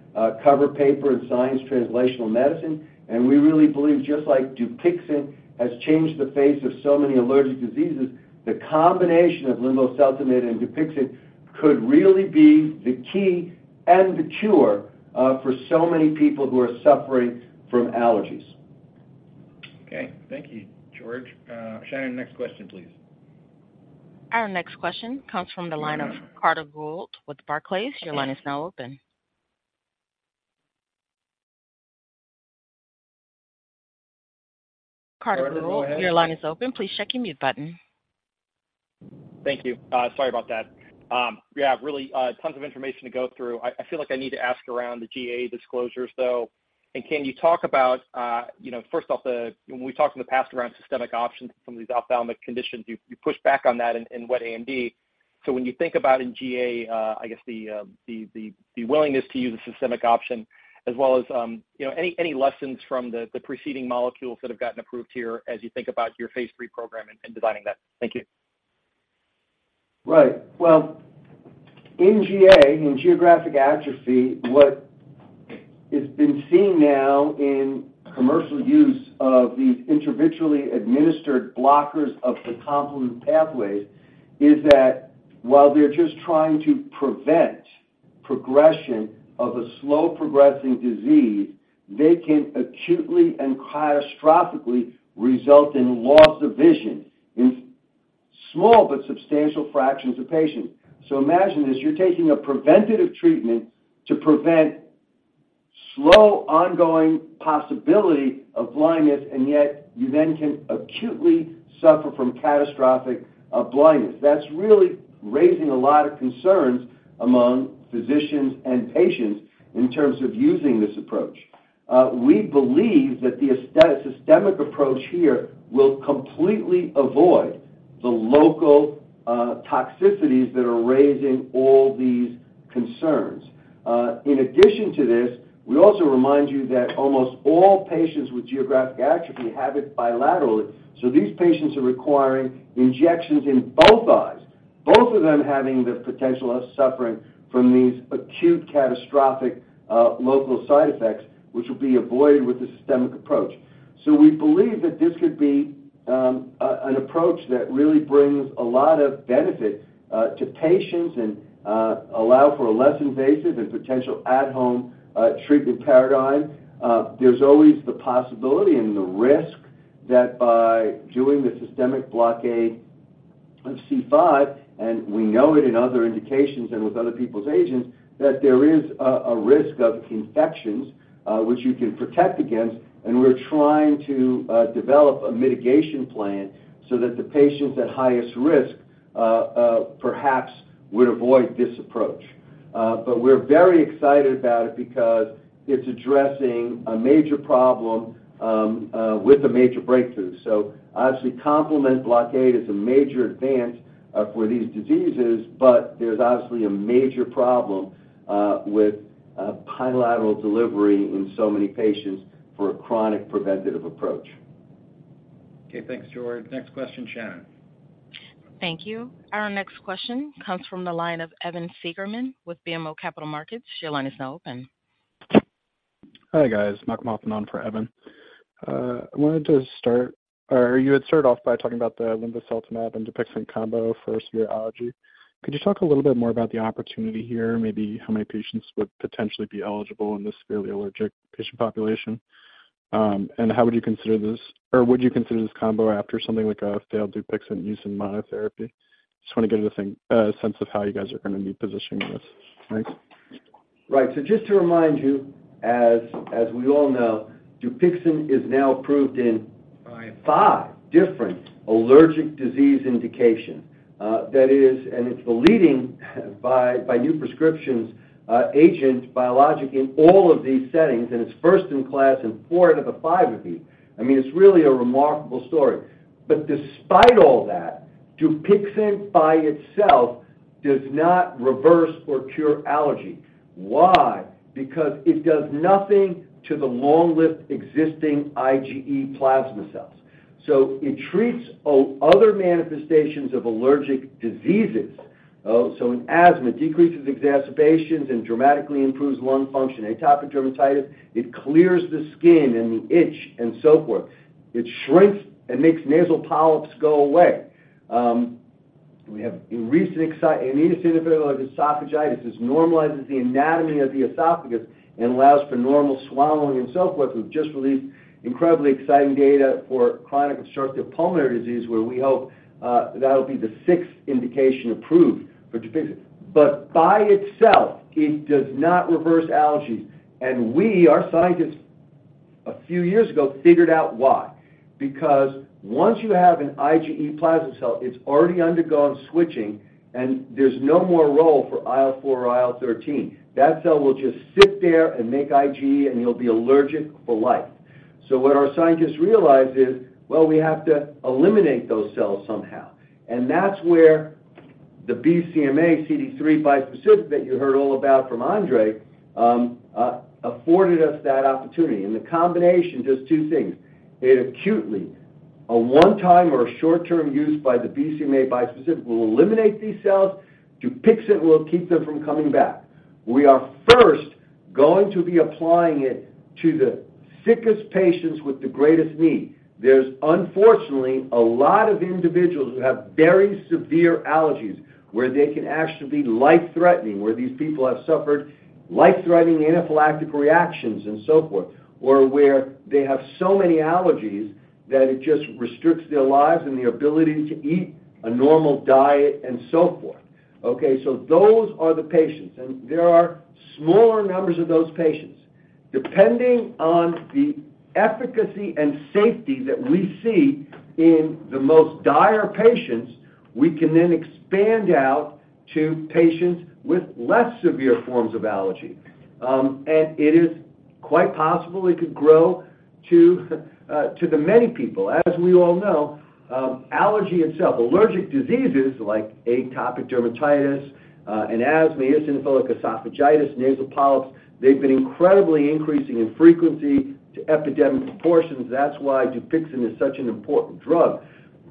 cover paper in Science Translational Medicine, and we really believe, just like Dupixent has changed the face of so many allergic diseases, the combination of linvoseltamab and Dupixent could really be the key and the cure for so many people who are suffering from allergies. Okay, thank you, George. Shannon, next question, please. Our next question comes from the line of Carter Gould with Barclays. Your line is now open. Carter Gould, your line is open. Please check your mute button. Thank you. Sorry about that. Yeah, really, tons of information to go through. I feel like I need to ask around the GA disclosures, though. Can you talk about, you know, first off, the—when we talked in the past around systemic options for some of these ophthalmic conditions, you pushed back on that in wet AMD. So when you think about in GA, I guess the willingness to use a systemic option, as well as, you know, any lessons from the preceding molecules that have gotten approved here as you think about your phase III program and designing that? Thank you. Right. Well, in GA, in geographic atrophy, what has been seen now in commercial use of these intravitreally administered blockers of the complement pathways is that while they're just trying to prevent progression of a slow-progressing disease, they can acutely and catastrophically result in loss of vision, in small but substantial fractions of patients. So imagine this, you're taking a preventative treatment to prevent slow, ongoing possibility of blindness, and yet you then can acutely suffer from catastrophic blindness. That's really raising a lot of concerns among physicians and patients in terms of using this approach. We believe that the systemic approach here will completely avoid the local toxicities that are raising all these concerns. In addition to this, we also remind you that almost all patients with geographic atrophy have it bilaterally. So these patients are requiring injections in both eyes, both of them having the potential of suffering from these acute catastrophic, local side effects, which will be avoided with the systemic approach. So we believe that this could be, a, an approach that really brings a lot of benefit, to patients and, allow for a less invasive and potential at-home, treatment paradigm. There's always the possibility and the risk that by doing the systemic blockade of C5, and we know it in other indications and with other people's agents, that there is a, a risk of infections, which you can protect against, and we're trying to, develop a mitigation plan so that the patients at highest risk, perhaps would avoid this approach. But we're very excited about it because it's addressing a major problem with a major breakthrough. So obviously, complement blockade is a major advance for these diseases, but there's obviously a major problem with bilateral delivery in so many patients for a chronic preventative approach. Okay, thanks, George. Next question, Shannon. Thank you. Our next question comes from the line of Evan Segerman with BMO Capital Markets. Your line is now open. Hi, guys. Malcolm Hoffman for Evan. I wanted to start, or you had started off by talking about the lindaceltinib and Dupixent combo for severe allergy. Could you talk a little bit more about the opportunity here, maybe how many patients would potentially be eligible in this severely allergic patient population? And how would you consider this, or would you consider this combo after something like a failed Dupixent use in monotherapy? Just want to get a sense of how you guys are gonna be positioning this. Thanks. Right. So just to remind you, as we all know, Dupixent is now approved in five different allergic disease indications. That is, and it's the leading, by new prescriptions, agent biologic in all of these settings, and it's first in class in four out of the five of these. I mean, it's really a remarkable story. But despite all that, Dupixent by itself does not reverse or cure allergy. Why? Because it does nothing to the long-lived existing IgE plasma cells. So it treats other manifestations of allergic diseases. So in asthma, decreases exacerbations and dramatically improves lung function. Atopic dermatitis, it clears the skin and the itch and so forth. It shrinks and makes nasal polyps go away. We have recent eosinophilic esophagitis, it normalizes the anatomy of the esophagus and allows for normal swallowing and so forth. We've just released incredibly exciting data for chronic obstructive pulmonary disease, where we hope that'll be the sixth indication approved for Dupixent. But by itself, it does not reverse allergies. And we, our scientists a few years ago, figured out why. Because once you have an IgE plasma cell, it's already undergone switching, and there's no more role for IL-4 or IL-13. That cell will just sit there and make IgE, and you'll be allergic for life. So what our scientists realized is, well, we have to eliminate those cells somehow. And that's where the BCMA CD3 bispecific that you heard all about from Andres, afforded us that opportunity. And the combination, just two things: it acutely, a one-time or a short-term use by the BCMA bispecific, will eliminate these cells, Dupixent will keep them from coming back. We are first going to be applying it to the sickest patients with the greatest need. There's unfortunately a lot of individuals who have very severe allergies, where they can actually be life-threatening, where these people have suffered life-threatening anaphylactic reactions and so forth, or where they have so many allergies that it just restricts their lives and the ability to eat a normal diet and so forth. Okay, so those are the patients, and there are smaller numbers of those patients. Depending on the efficacy and safety that we see in the most dire patients, we can then expand out to patients with less severe forms of allergy. And it is quite possible it could grow to to the many people. As we all know, allergy itself, allergic diseases like atopic dermatitis, and asthma, eosinophilic esophagitis, nasal polyps, they've been incredibly increasing in frequency to epidemic proportions. That's why Dupixent is such an important drug.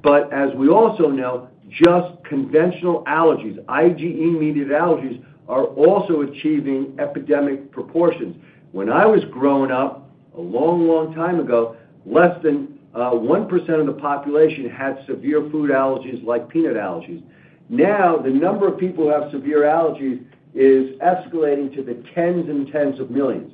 But as we also know, just conventional allergies, IgE-mediated allergies, are also achieving epidemic proportions. When I was growing up, a long, long time ago, less than 1% of the population had severe food allergies, like peanut allergies. Now, the number of people who have severe allergies is escalating to the tens and tens of millions.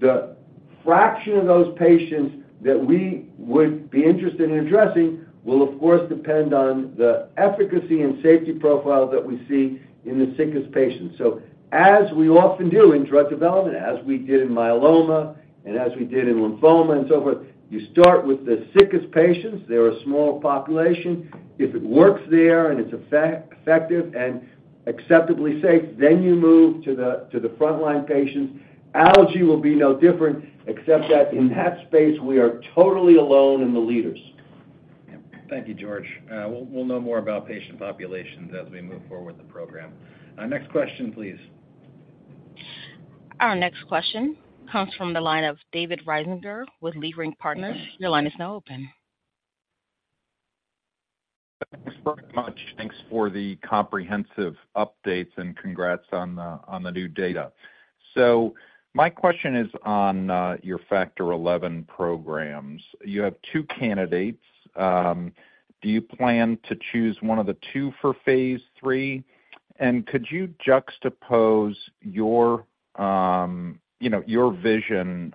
The fraction of those patients that we would be interested in addressing will, of course, depend on the efficacy and safety profile that we see in the sickest patients. So as we often do in drug development, as we did in myeloma and as we did in lymphoma and so forth, you start with the sickest patients. They're a small population. If it works there and it's effective and acceptably safe, then you move to the frontline patients. Allergy will be no different, except that in that space, we are totally alone and the leaders. Thank you, George. We'll know more about patient populations as we move forward with the program. Next question, please. Our next question comes from the line of David Risinger with Leerink Partners. Your line is now open. Thanks very much. Thanks for the comprehensive updates, and congrats on the new data. So my question is on your Factor XI programs. You have two candidates, do you plan to choose one of the two for phase III? And could you juxtapose your, you know, your vision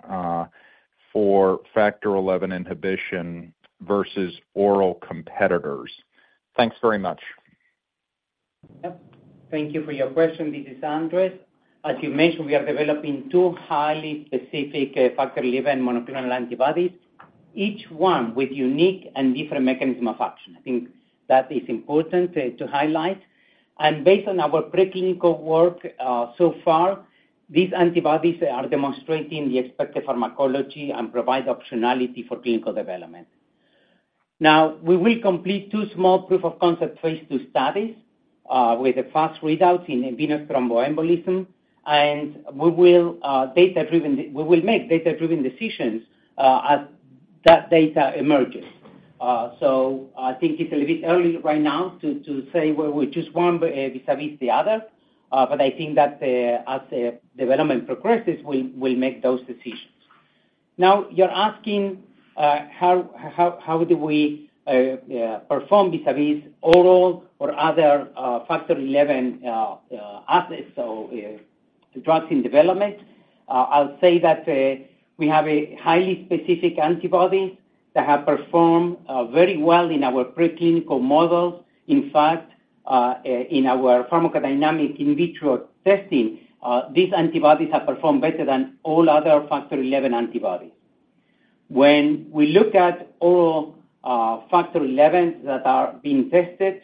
for Factor XI inhibition versus oral competitors? Thanks very much. Yep. Thank you for your question. This is Andres. As you mentioned, we are developing two highly specific Factor XI monoclonal antibodies, each one with unique and different mechanism of action. I think that is important to highlight. Based on our preclinical work so far, these antibodies are demonstrating the expected pharmacology and provide optionality for clinical development. Now, we will complete two small proof-of-concept phase II studies with the fast readouts in venous thromboembolism, and we will data-driven—we will make data-driven decisions as that data emerges. So I think it's a little bit early right now to say whether we choose one vis-à-vis the other, but I think that as the development progresses, we'll make those decisions. Now, you're asking, how do we perform vis-à-vis oral or other Factor XI assets or drugs in development? I'll say that we have a highly specific antibody that have performed very well in our preclinical models. In fact, in our pharmacodynamic in vitro testing, these antibodies have performed better than all other Factor XI antibodies. When we look at all Factor XIs that are being tested,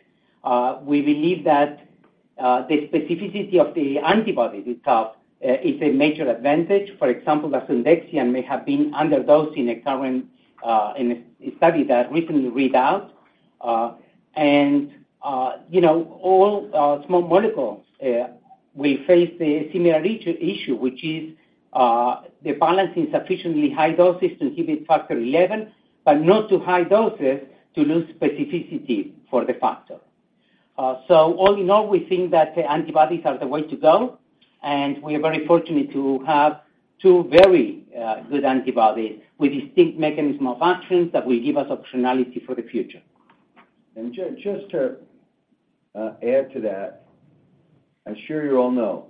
we believe that the specificity of the antibody we talk is a major advantage. For example, the asundexian may have been underdosed in a current in a study that recently read out. You know, all small molecules will face a similar issue, issue which is the balance in sufficiently high doses to inhibit Factor XI, but not too high doses to lose specificity for the factor. So all in all, we think that the antibodies are the way to go, and we are very fortunate to have two very good antibodies with distinct mechanism of actions that will give us optionality for the future. Just to add to that, I'm sure you all know,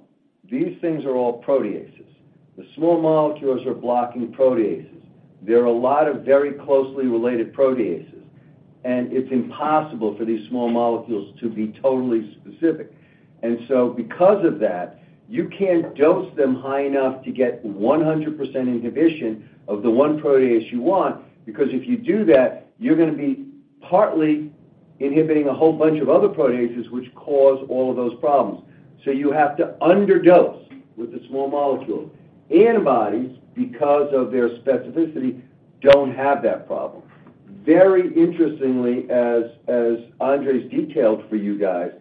these things are all proteases. The small molecules are blocking proteases. There are a lot of very closely related proteases, and it's impossible for these small molecules to be totally specific. And so because of that, you can't dose them high enough to get 100% inhibition of the one protease you want, because if you do that, you're gonna be partly inhibiting a whole bunch of other proteases, which cause all of those problems. So you have to underdose with the small molecule. Antibodies, because of their specificity, don't have that problem. Very interestingly, as Andres detailed for you guys,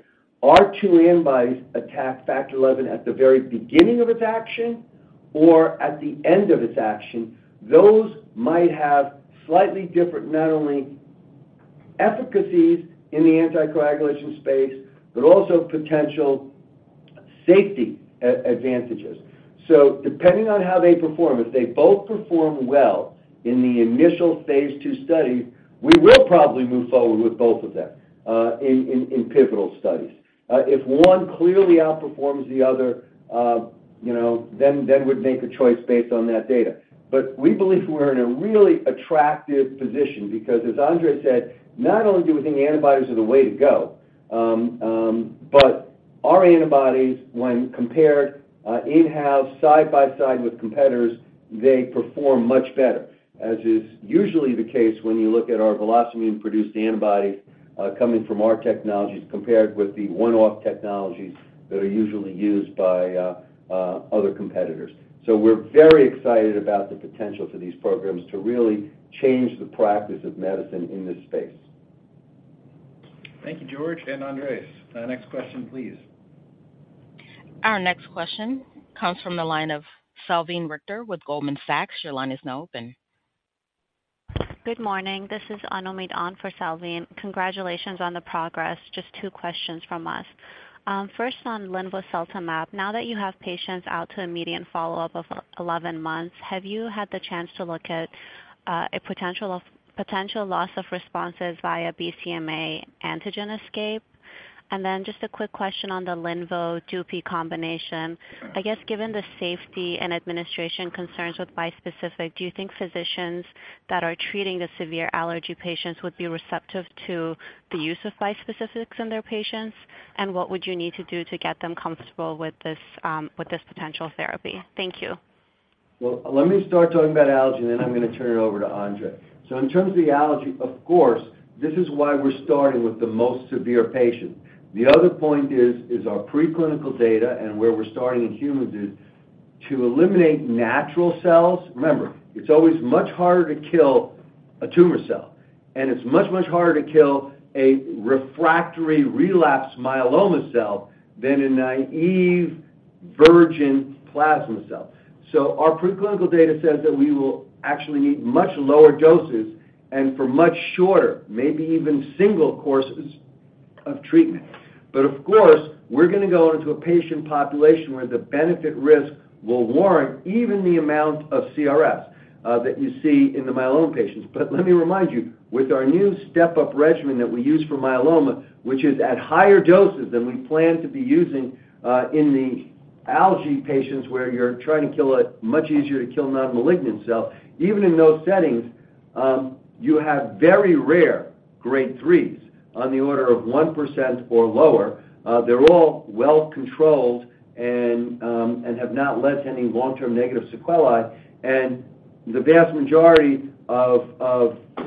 our two antibodies attack Factor XI at the very beginning of its action or at the end of its action, those might have slightly different, not only efficacies in the anticoagulation space, but also potential safety advantages. So depending on how they perform, if they both perform well in the initial phase II study, we will probably move forward with both of them in pivotal studies. If one clearly outperforms the other, you know, then we'd make a choice based on that data. But we believe we're in a really attractive position because, as Andres said, not only do we think the antibodies are the way to go, but our antibodies, when compared, in-house, side by side with competitors, they perform much better, as is usually the case when you look at our VelocImmune-produced antibodies, coming from our technologies compared with the one-off technologies that are usually used by, other competitors. So we're very excited about the potential for these programs to really change the practice of medicine in this space. Thank you, George and Andres. The next question, please. Our next question comes from the line of Salveen Richter with Goldman Sachs. Your line is now open. Good morning. This is Anand An for Salveen. Congratulations on the progress. Just two questions from us. First on linvoseltamab. Now that you have patients out to a median follow-up of 11 months, have you had the chance to look at a potential loss of responses via BCMA antigen escape? And then just a quick question on the linvo/dupy combination. I guess, given the safety and administration concerns with bispecific, do you think physicians that are treating the severe allergy patients would be receptive to the use of bispecifics in their patients? And what would you need to do to get them comfortable with this with this potential therapy? Thank you. Well, let me start talking about allergy, and then I'm gonna turn it over to Andres. So in terms of the allergy, of course, this is why we're starting with the most severe patients. The other point is, is our preclinical data and where we're starting in human is to eliminate natural cells. Remember, it's always much harder to kill a tumor cell, and it's much, much harder to kill a refractory relapsed myeloma cell than a naive virgin plasma cell. So our preclinical data says that we will actually need much lower doses and for much shorter, maybe even single courses of treatment. But of course, we're gonna go into a patient population where the benefit risk will warrant even the amount of CRS that you see in the myeloma patients. But let me remind you, with our new step-up regimen that we use for myeloma, which is at higher doses than we plan to be using in the allergy patients, where you're trying to kill a much easier to kill non-malignant cell, even in those settings, you have very rare grade 3s on the order of 1% or lower. They're all well controlled and have not led to any long-term negative sequelae. And the vast majority of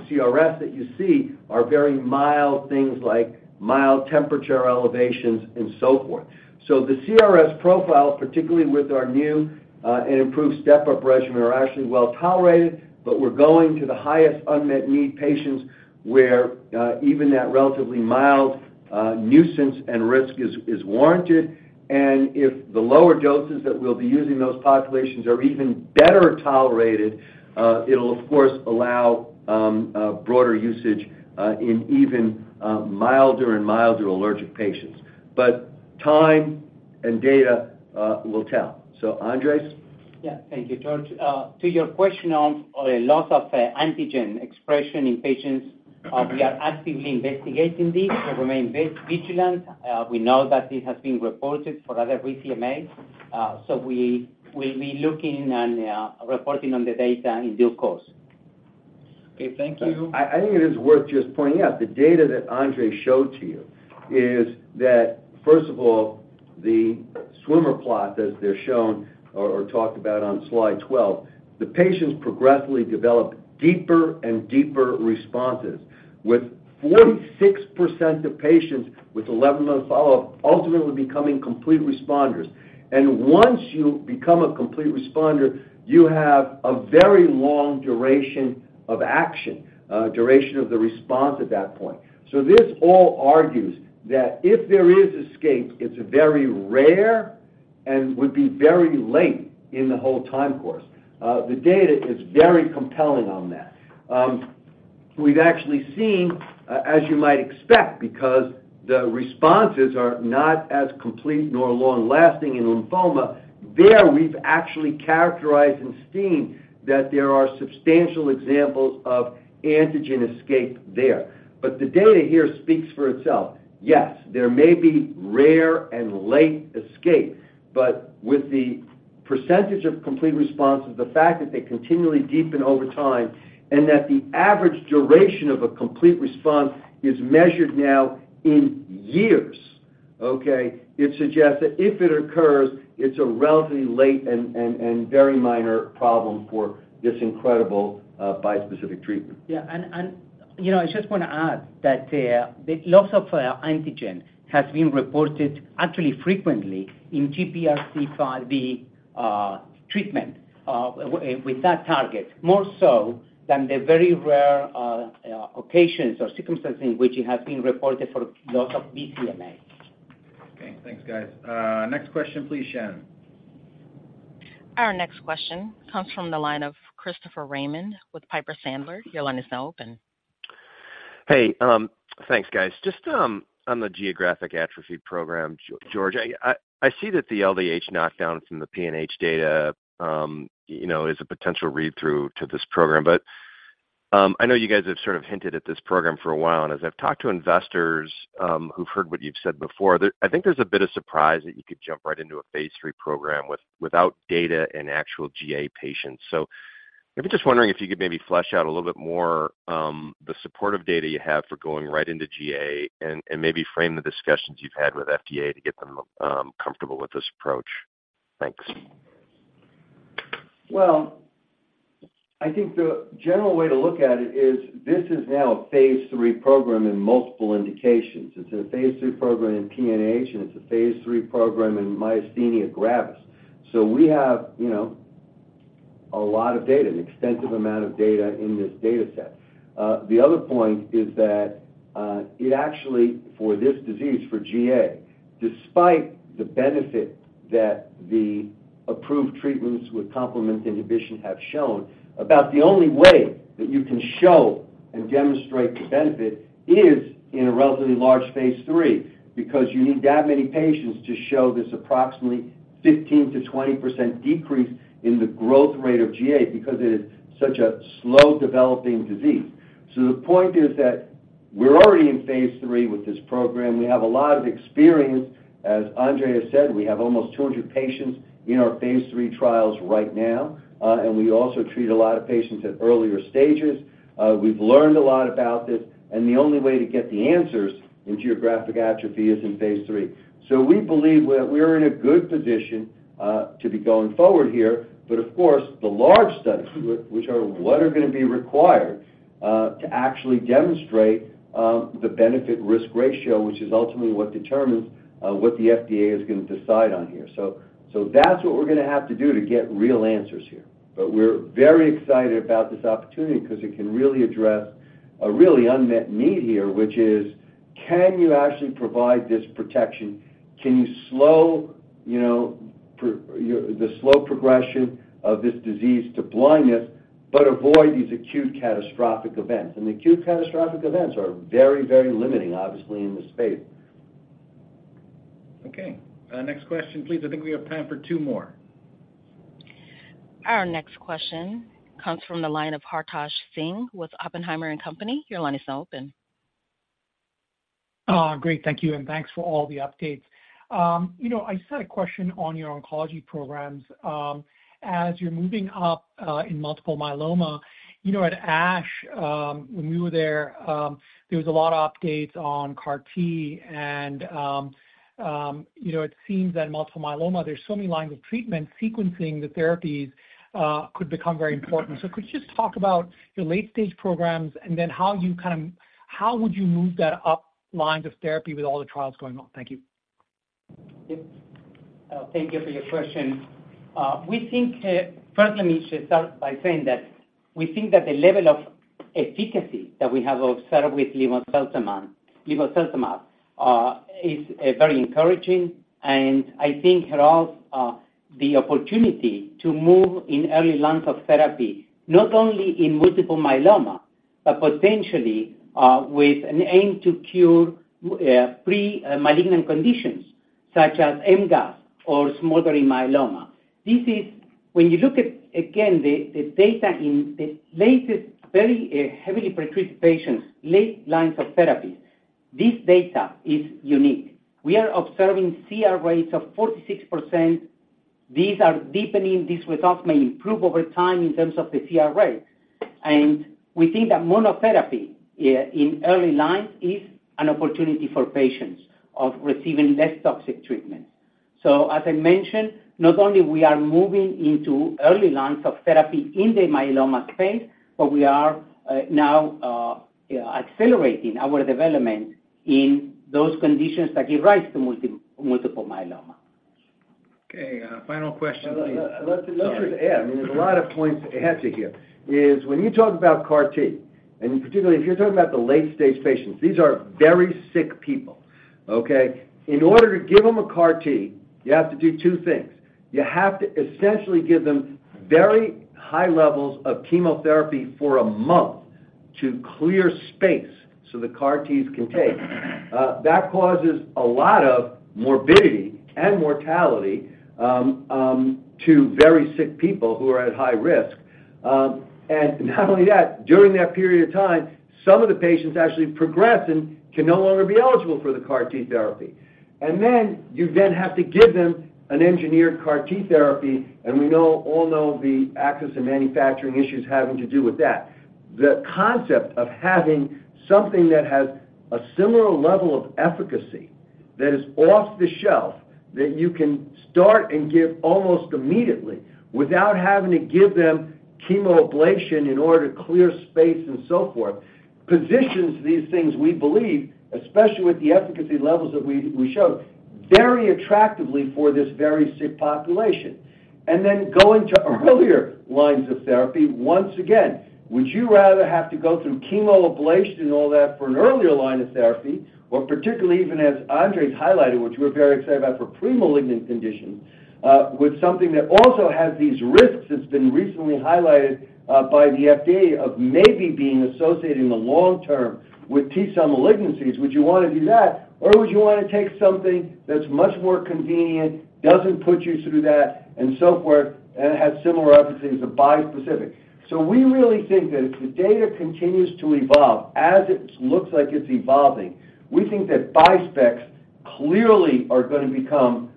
CRS that you see are very mild things like mild temperature elevations and so forth. So the CRS profile, particularly with our new and improved step-up regimen, are actually well tolerated, but we're going to the highest unmet need patients where even that relatively mild nuisance and risk is warranted. If the lower doses that we'll be using in those populations are even better tolerated, it'll, of course, allow a broader usage in even milder and milder allergic patients. But time and data will tell. So, Andres? Yeah. Thank you, George. To your question on a loss of antigen expression in patients, we are actively investigating this and remain very vigilant. We know that this has been reported for other BCMA. So we will be looking and reporting on the data in due course. Okay, thank you. I think it is worth just pointing out, the data that Andres showed to you is that, first of all, the swimmer plot, as they're shown or, or talked about on slide 12, the patients progressively develop deeper and deeper responses, with 46% of patients with 11-month follow-up ultimately becoming complete responders. And once you become a complete responder, you have a very long duration of action, duration of the response at that point. So this all argues that if there is escape, it's very rare and would be very late in the whole time course. The data is very compelling on that. We've actually seen, as you might expect, because the responses are not as complete nor long-lasting in lymphoma, there, we've actually characterized and seen that there are substantial examples of antigen escape there. But the data here speaks for itself. Yes, there may be rare and late escape, but with the percentage of complete response is the fact that they continually deepen over time, and that the average duration of a complete response is measured now in years, okay? It suggests that if it occurs, it's a relatively late and very minor problem for this incredible bispecific treatment. Yeah, and, you know, I just wanna add that the loss of antigen has been reported actually frequently in GPRC5D treatment with that target, more so than the very rare occasions or circumstances in which it has been reported for loss of BCMA. Okay, thanks, guys. Next question, please, Shannon. Our next question comes from the line of Christopher Raymond with Piper Sandler. Your line is now open. Hey, thanks, guys. Just on the geographic atrophy program, George, I see that the LDH knockdown from the PNH data, you know, is a potential read-through to this program. But I know you guys have sort of hinted at this program for a while, and as I've talked to investors who've heard what you've said before, I think there's a bit of surprise that you could jump right into a phase III program without data and actual GA patients. So I'm just wondering if you could maybe flesh out a little bit more the supportive data you have for going right into GA, and maybe frame the discussions you've had with FDA to get them comfortable with this approach. Thanks. Well, I think the general way to look at it is, this is now a phase III program in multiple indications. It's a phase III program in PNH, and it's a phase III program in myasthenia gravis. So we have, you know, a lot of data, an extensive amount of data in this data set. The other point is that, it actually, for this disease, for GA, despite the benefit that the approved treatments with complement inhibition have shown, about the only way that you can show and demonstrate the benefit is in a relatively large phase III, because you need that many patients to show this approximately 15%-20% decrease in the growth rate of GA, because it is such a slow-developing disease. So the point is that we're already in phase III with this program. We have a lot of experience. As Andre has said, we have almost 200 patients in our phase III trials right now, and we also treat a lot of patients at earlier stages. We've learned a lot about this, and the only way to get the answers in geographic atrophy is in phase III. So we believe we're in a good position to be going forward here. But of course, the large studies, which are what are gonna be required to actually demonstrate the benefit-risk ratio, which is ultimately what determines what the FDA is gonna decide on here. So that's what we're gonna have to do to get real answers here. But we're very excited about this opportunity because it can really address a really unmet need here, which is, can you actually provide this protection? Can you slow, you know, the slow progression of this disease to blindness, but avoid these acute catastrophic events? Acute catastrophic events are very, very limiting, obviously, in this space. Okay, next question, please. I think we have time for two more. Our next question comes from the line of Hartaj Singh with Oppenheimer and Company. Your line is now open. Great, thank you, and thanks for all the updates. You know, I just had a question on your oncology programs. As you're moving up in multiple myeloma, you know, at ASH, when we were there, there was a lot of updates on CAR T, and you know, it seems that multiple myeloma, there's so many lines of treatment, sequencing the therapies could become very important. So could you just talk about your late-stage programs, and then how you kind of— how would you move that up lines of therapy with all the trials going on? Thank you. Yep. Thank you for your question. We think, first, let me just start by saying that we think that the level of efficacy that we have observed with linvoseltamab, linvoseltamab, is very encouraging, and I think heralds the opportunity to move in early lines of therapy, not only in multiple myeloma, but potentially with an aim to cure pre-malignant conditions such as MGUS or smoldering myeloma. This is. When you look at, again, the data in the latest, very heavily pretreated patients, late lines of therapy, this data is unique. We are observing CR rates of 46%. These are deepening. These results may improve over time in terms of the CR rate. And we think that monotherapy in early lines is an opportunity for patients of receiving less toxic treatment. As I mentioned, not only we are moving into early lines of therapy in the myeloma space, but we are now accelerating our development in those conditions that give rise to multiple myeloma. Okay, final question, please. Let's just add, I mean, there's a lot of points to add to here, is when you talk about CAR T, and particularly, if you're talking about the late-stage patients, these are very sick people, okay? In order to give them a CAR T, you have to do two things: You have to essentially give them very high levels of chemotherapy for a month to clear space so the CAR Ts can take. That causes a lot of morbidity and mortality to very sick people who are at high risk. And not only that, during that period of time, some of the patients actually progress and can no longer be eligible for the CAR T therapy. And then you have to give them an engineered CAR T therapy, and we know, all know the access and manufacturing issues having to do with that. The concept of having something that has a similar level of efficacy, that is off the shelf, that you can start and give almost immediately without having to give them chemoablation in order to clear space and so forth, positions these things, we believe, especially with the efficacy levels that we, we showed, very attractively for this very sick population. And then going to earlier lines of therapy, once again, would you rather have to go through chemoablation and all that for an earlier line of therapy, or particularly even as Andres highlighted, which we're very excited about for premalignant conditions, with something that also has these risks that's been recently highlighted by the FDA of maybe being associated in the long term with T-cell malignancies? Would you wanna do that, or would you wanna take something that's much more convenient, doesn't put you through that, and so forth, and has similar efficacy as a bispecific? So we really think that if the data continues to evolve as it looks like it's evolving, we think that bispecs clearly are gonna become,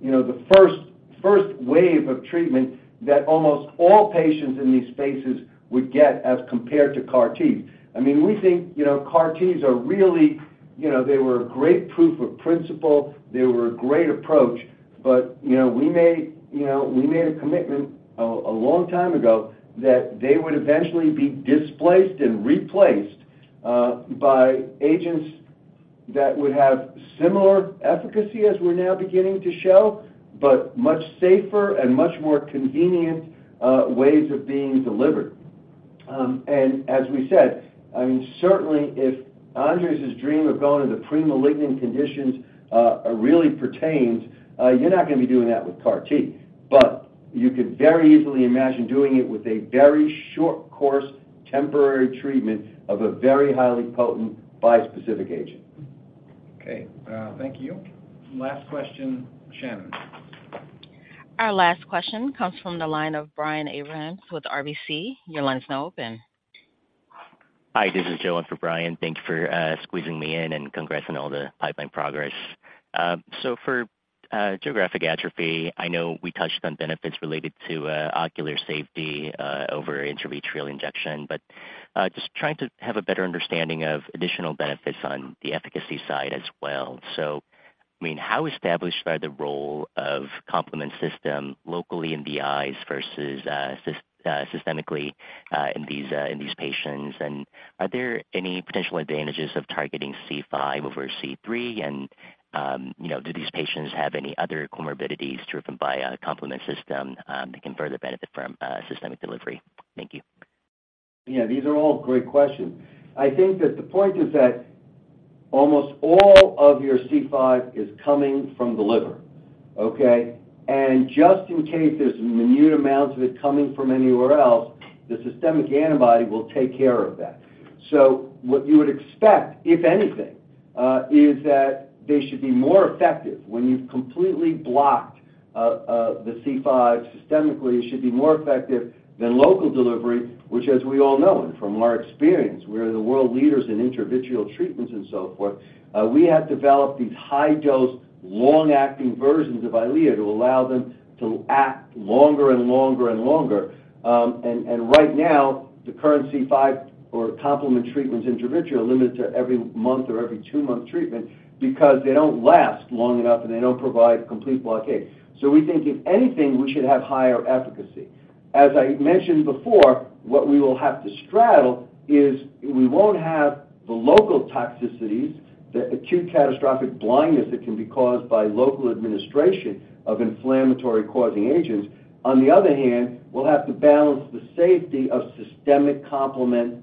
you know, the first, first wave of treatment that almost all patients in these spaces would get as compared to CAR T. I mean, we think, you know, CAR Ts are really, you know, they were a great proof of principle, they were a great approach, but, you know, we made, you know, we made a commitment a long time ago that they would eventually be displaced and replaced by agents that would have similar efficacy as we're now beginning to show, but much safer and much more convenient ways of being delivered. And as we said, I mean, certainly, if Andres' dream of going into premalignant conditions really pertains, you're not gonna be doing that with CAR T. But you could very easily imagine doing it with a very short course, temporary treatment of a very highly potent bispecific agent. Okay, thank you. Last question, Shannon. Our last question comes from the line of Brian Abrahams with RBC. Your line is now open. Hi, this is Joe in for Brian. Thank you for squeezing me in, and congrats on all the pipeline progress. So for geographic atrophy, I know we touched on benefits related to ocular safety over intravitreal injection, but just trying to have a better understanding of additional benefits on the efficacy side as well. So, I mean, how established are the role of complement system locally in the eyes versus systemically in these patients? And are there any potential advantages of targeting C5 over C3, and you know, do these patients have any other comorbidities driven by a complement system that can further benefit from systemic delivery? Thank you. Yeah, these are all great questions. I think that the point is that almost all of your C5 is coming from the liver, okay? And just in case there's minute amounts of it coming from anywhere else, the systemic antibody will take care of that. So what you would expect, if anything, is that they should be more effective. When you've completely blocked the C5 systemically, it should be more effective than local delivery, which, as we all know and from our experience, we're the world leaders in intravitreal treatments and so forth. We have developed these high-dose, long-acting versions of Eylea to allow them to act longer and longer and longer. And right now, the current C5 or complement treatment is intravitreal, limited to every month or every two-month treatment because they don't last long enough, and they don't provide complete blockade. So we think, if anything, we should have higher efficacy. As I mentioned before, what we will have to straddle is we won't have the local toxicities, the acute catastrophic blindness that can be caused by local administration of inflammatory-causing agents. On the other hand, we'll have to balance the safety of systemic complement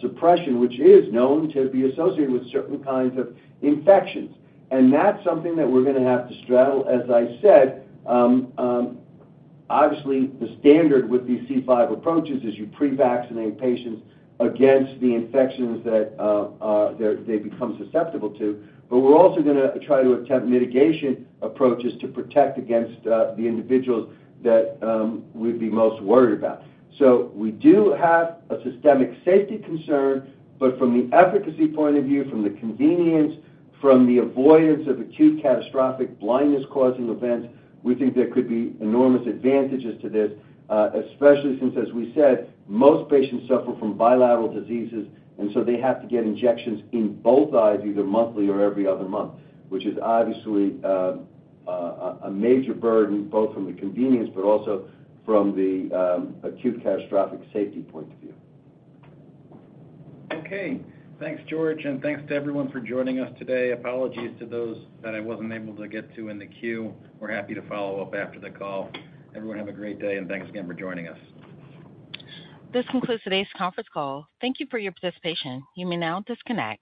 suppression, which is known to be associated with certain kinds of infections. And that's something that we're gonna have to straddle. As I said, obviously, the standard with these C5 approaches is you pre-vaccinate patients against the infections that they become susceptible to, but we're also gonna try to attempt mitigation approaches to protect against the individuals that we'd be most worried about. So we do have a systemic safety concern, but from the efficacy point of view, from the convenience, from the avoidance of acute catastrophic blindness-causing events, we think there could be enormous advantages to this, especially since, as we said, most patients suffer from bilateral diseases, and so they have to get injections in both eyes, either monthly or every other month, which is obviously a major burden, both from the convenience but also from the acute catastrophic safety point of view. Okay. Thanks, George, and thanks to everyone for joining us today. Apologies to those that I wasn't able to get to in the queue. We're happy to follow up after the call. Everyone, have a great day, and thanks again for joining us. This concludes today's conference call. Thank you for your participation. You may now disconnect.